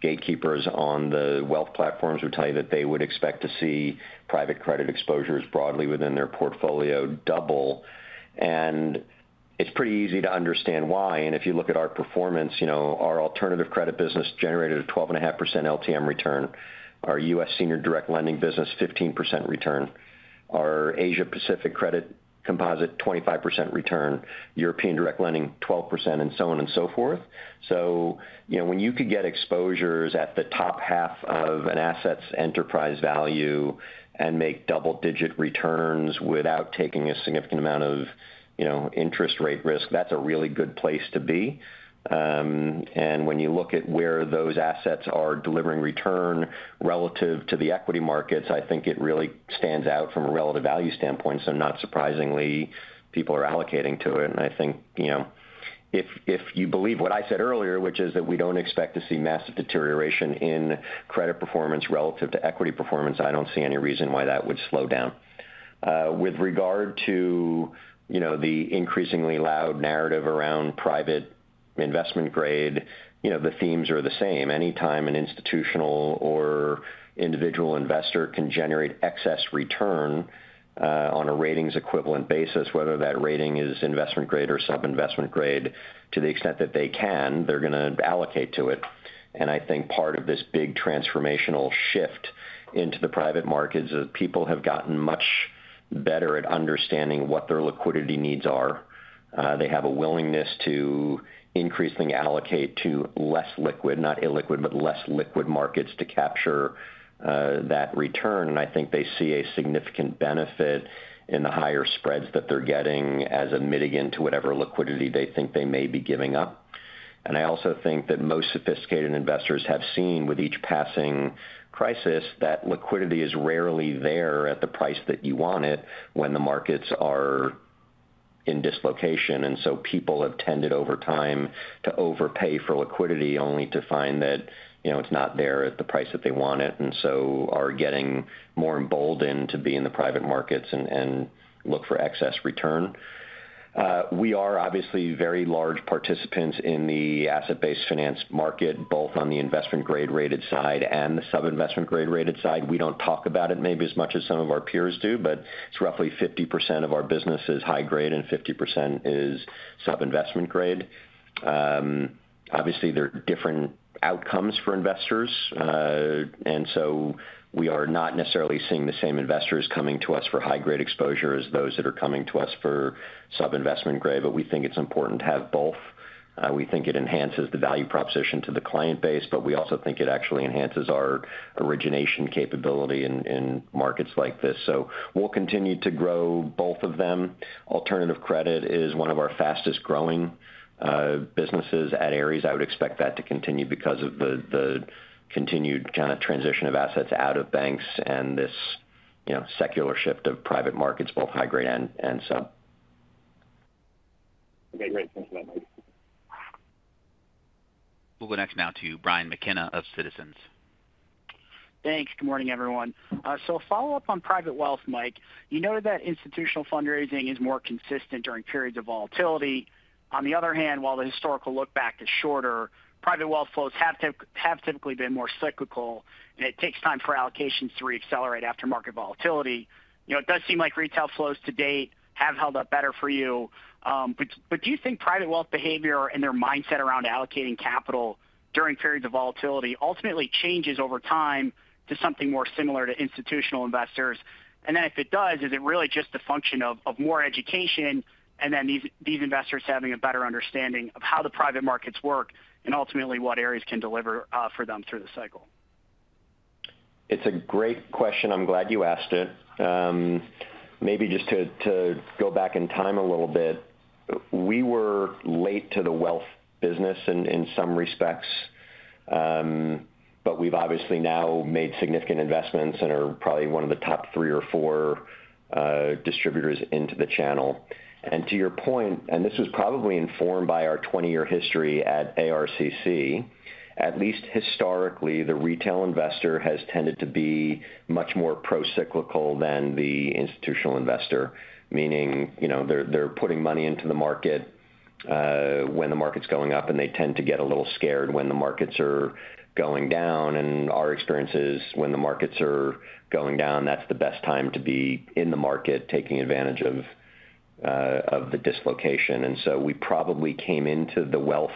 gatekeepers on the wealth platforms would tell you that they would expect to see private credit exposures broadly within their portfolio double. It's pretty easy to understand why. If you look at our performance, our alternative credit business generated a 12.5% LTM return. Our U.S. senior direct lending business, 15% return. Our Asia-Pacific credit composite, 25% return. European direct lending, 12%, and so on and so forth. When you could get exposures at the top half of an asset's enterprise value and make double-digit returns without taking a significant amount of interest rate risk, that's a really good place to be. When you look at where those assets are delivering return relative to the equity markets, I think it really stands out from a relative value standpoint. Not surprisingly, people are allocating to it. I think if you believe what I said earlier, which is that we don't expect to see massive deterioration in credit performance relative to equity performance, I don't see any reason why that would slow down. With regard to the increasingly loud narrative around private investment grade, the themes are the same. Anytime an institutional or individual investor can generate excess return on a ratings-equivalent basis, whether that rating is investment grade or sub-investment grade, to the extent that they can, they're going to allocate to it. I think part of this big transformational shift into the private markets is people have gotten much better at understanding what their liquidity needs are. They have a willingness to increasingly allocate to less liquid, not illiquid, but less liquid markets to capture that return. I think they see a significant benefit in the higher spreads that they're getting as a mitigant to whatever liquidity they think they may be giving up. I also think that most sophisticated investors have seen with each passing crisis that liquidity is rarely there at the price that you want it when the markets are in dislocation. People have tended over time to overpay for liquidity only to find that it is not there at the price that they want it, and are getting more emboldened to be in the private markets and look for excess return. We are obviously very large participants in the asset-based finance market, both on the investment-grade rated side and the sub-investment-grade rated side. We do not talk about it maybe as much as some of our peers do, but it is roughly 50% of our business is high-grade and 50% is sub-investment-grade. Obviously, there are different outcomes for investors. We are not necessarily seeing the same investors coming to us for high-grade exposure as those that are coming to us for sub-investment-grade, but we think it is important to have both. We think it enhances the value proposition to the client base, but we also think it actually enhances our origination capability in markets like this. We will continue to grow both of them. Alternative credit is one of our fastest-growing businesses at Ares. I would expect that to continue because of the continued kind of transition of assets out of banks and this secular shift of private markets, both high-grade and sub. Okay, great. Thanks for that, Mike. We will go next now to Brian McKenna of Citizens. Thanks. Good morning, everyone. A follow-up on private wealth, Mike. You noted that institutional fundraising is more consistent during periods of volatility. On the other hand, while the historical look-back is shorter, private wealth flows have typically been more cyclical, and it takes time for allocations to reaccelerate after market volatility. It does seem like retail flows to date have held up better for you. Do you think private wealth behavior and their mindset around allocating capital during periods of volatility ultimately changes over time to something more similar to institutional investors? If it does, is it really just a function of more education and these investors having a better understanding of how the private markets work and ultimately what areas can deliver for them through the cycle? It's a great question. I'm glad you asked it. Maybe just to go back in time a little bit, we were late to the wealth business in some respects, but we've obviously now made significant investments and are probably one of the top three or four distributors into the channel. To your point, and this was probably informed by our 20-year history at ARCC, at least historically, the retail investor has tended to be much more pro-cyclical than the institutional investor, meaning they're putting money into the market when the market's going up, and they tend to get a little scared when the markets are going down. Our experience is when the markets are going down, that's the best time to be in the market taking advantage of the dislocation. We probably came into the wealth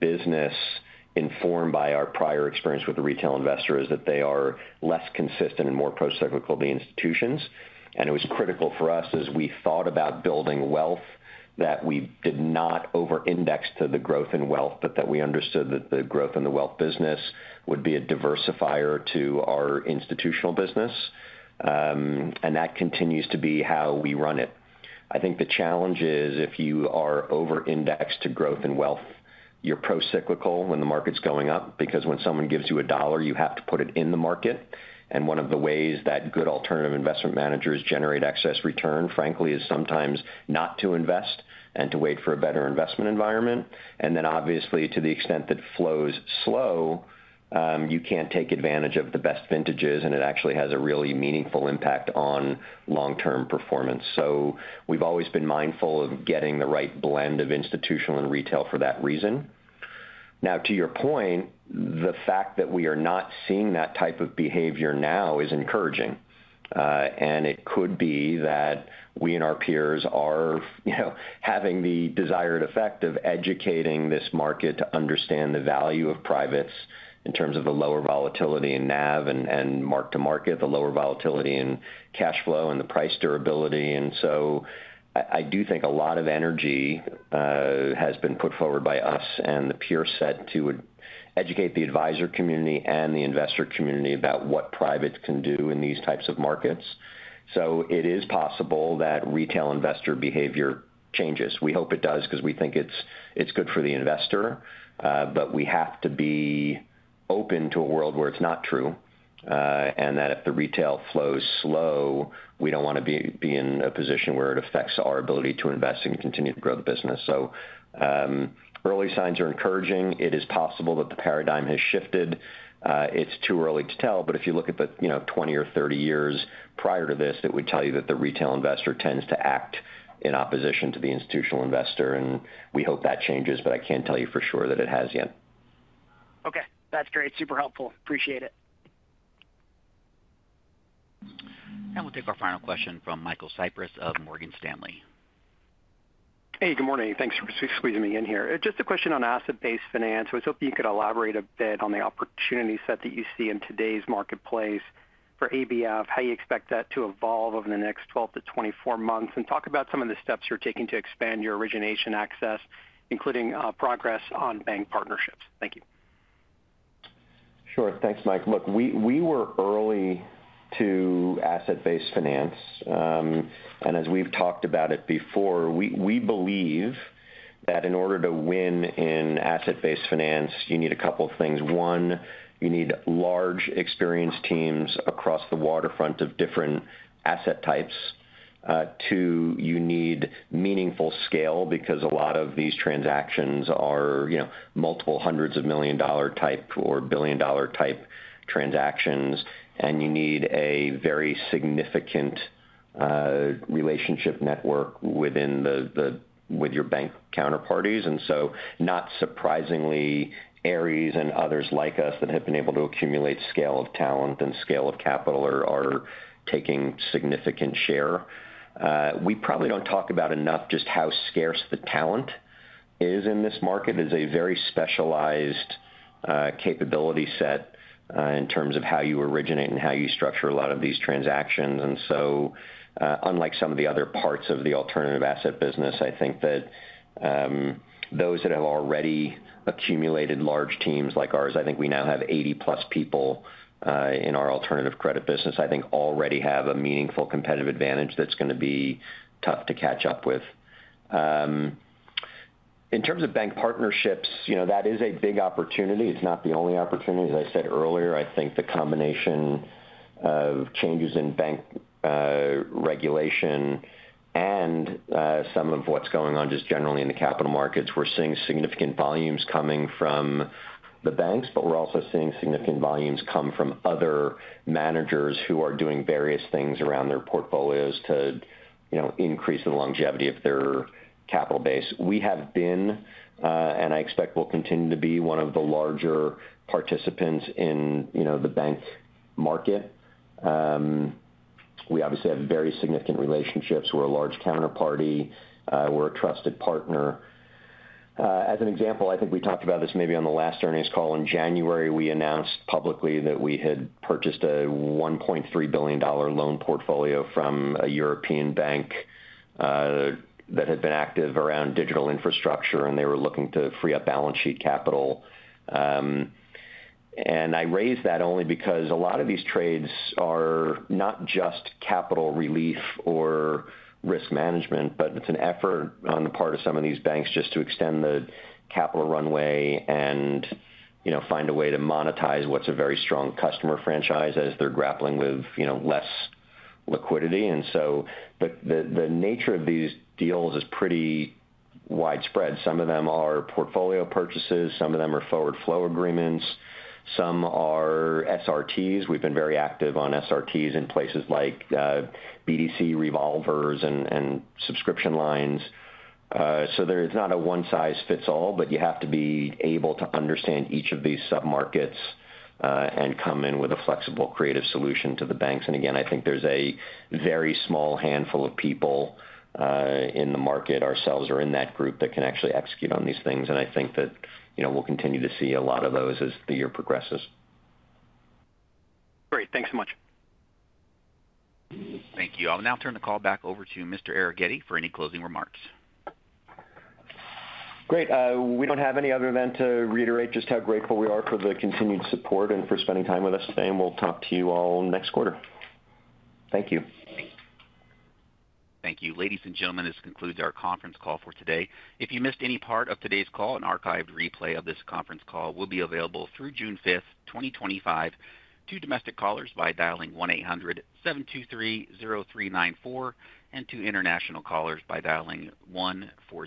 business informed by our prior experience with the retail investors that they are less consistent and more pro-cyclical than the institutions. It was critical for us as we thought about building wealth that we did not over-index to the growth in wealth, but that we understood that the growth in the wealth business would be a diversifier to our institutional business. That continues to be how we run it. I think the challenge is if you are over-indexed to growth in wealth, you're pro-cyclical when the market's going up because when someone gives you a dollar, you have to put it in the market. One of the ways that good alternative investment managers generate excess return, frankly, is sometimes not to invest and to wait for a better investment environment. Obviously, to the extent that flows slow, you cannot take advantage of the best vintages, and it actually has a really meaningful impact on long-term performance. We have always been mindful of getting the right blend of institutional and retail for that reason. To your point, the fact that we are not seeing that type of behavior now is encouraging. It could be that we and our peers are having the desired effect of educating this market to understand the value of privates in terms of the lower volatility in NAV and mark-to-market, the lower volatility in cash flow and the price durability. I do think a lot of energy has been put forward by us and the peer set to educate the advisor community and the investor community about what privates can do in these types of markets. It is possible that retail investor behavior changes. We hope it does because we think it's good for the investor, but we have to be open to a world where it's not true and that if the retail flows slow, we don't want to be in a position where it affects our ability to invest and continue to grow the business. Early signs are encouraging. It is possible that the paradigm has shifted. It's too early to tell, but if you look at the 20 or 30 years prior to this, it would tell you that the retail investor tends to act in opposition to the institutional investor. We hope that changes, but I can't tell you for sure that it has yet. Okay. That's great. Super helpful. Appreciate it. We'll take our final question from Michael Cyprys of Morgan Stanley. Hey, good morning. Thanks for squeezing me in here. Just a question on asset-based finance. I was hoping you could elaborate a bit on the opportunity set that you see in today's marketplace for ABF. How do you expect that to evolve over the next 12-24 months? Talk about some of the steps you're taking to expand your origination access, including progress on bank partnerships. Thank you. Sure. Thanks, Mike. Look, we were early to asset-based finance. As we've talked about it before, we believe that in order to win in asset-based finance, you need a couple of things. One, you need large experienced teams across the waterfront of different asset types. Two, you need meaningful scale because a lot of these transactions are multiple hundreds of million-dollar type or billion-dollar type transactions, and you need a very significant relationship network with your bank counterparties. Not surprisingly, Ares and others like us that have been able to accumulate scale of talent and scale of capital are taking significant share. We probably do not talk about enough just how scarce the talent is in this market. It is a very specialized capability set in terms of how you originate and how you structure a lot of these transactions. Unlike some of the other parts of the alternative asset business, I think that those that have already accumulated large teams like ours—I think we now have 80-plus people in our alternative credit business—I think already have a meaningful competitive advantage that is going to be tough to catch up with. In terms of bank partnerships, that is a big opportunity. It is not the only opportunity. As I said earlier, I think the combination of changes in bank regulation and some of what's going on just generally in the capital markets, we're seeing significant volumes coming from the banks, but we're also seeing significant volumes come from other managers who are doing various things around their portfolios to increase the longevity of their capital base. We have been, and I expect we'll continue to be, one of the larger participants in the bank market. We obviously have very significant relationships. We're a large counterparty. We're a trusted partner. As an example, I think we talked about this maybe on the last earnings call in January. We announced publicly that we had purchased a $1.3 billion loan portfolio from a European bank that had been active around digital infrastructure, and they were looking to free up balance sheet capital. I raised that only because a lot of these trades are not just capital relief or risk management, but it's an effort on the part of some of these banks just to extend the capital runway and find a way to monetize what's a very strong customer franchise as they're grappling with less liquidity. The nature of these deals is pretty widespread. Some of them are portfolio purchases. Some of them are forward flow agreements. Some are SRTs. We've been very active on SRTs in places like BDC, revolvers, and subscription lines. It's not a one-size-fits-all, but you have to be able to understand each of these sub-markets and come in with a flexible creative solution to the banks. Again, I think there's a very small handful of people in the market, ourselves or in that group, that can actually execute on these things. I think that we'll continue to see a lot of those as the year progresses. Great. Thanks so much. Thank you. I'll now turn the call back over to Mr. Arougheti for any closing remarks. Great. We don't have any other event to reiterate just how grateful we are for the continued support and for spending time with us today. We'll talk to you all next quarter. Thank you. Thank you. Ladies and gentlemen, this concludes our conference call for today. If you missed any part of today's call, an archived replay of this conference call will be available through June 5th, 2025, to domestic callers by dialing 1-800-723-0394 and to international callers by dialing 1-47.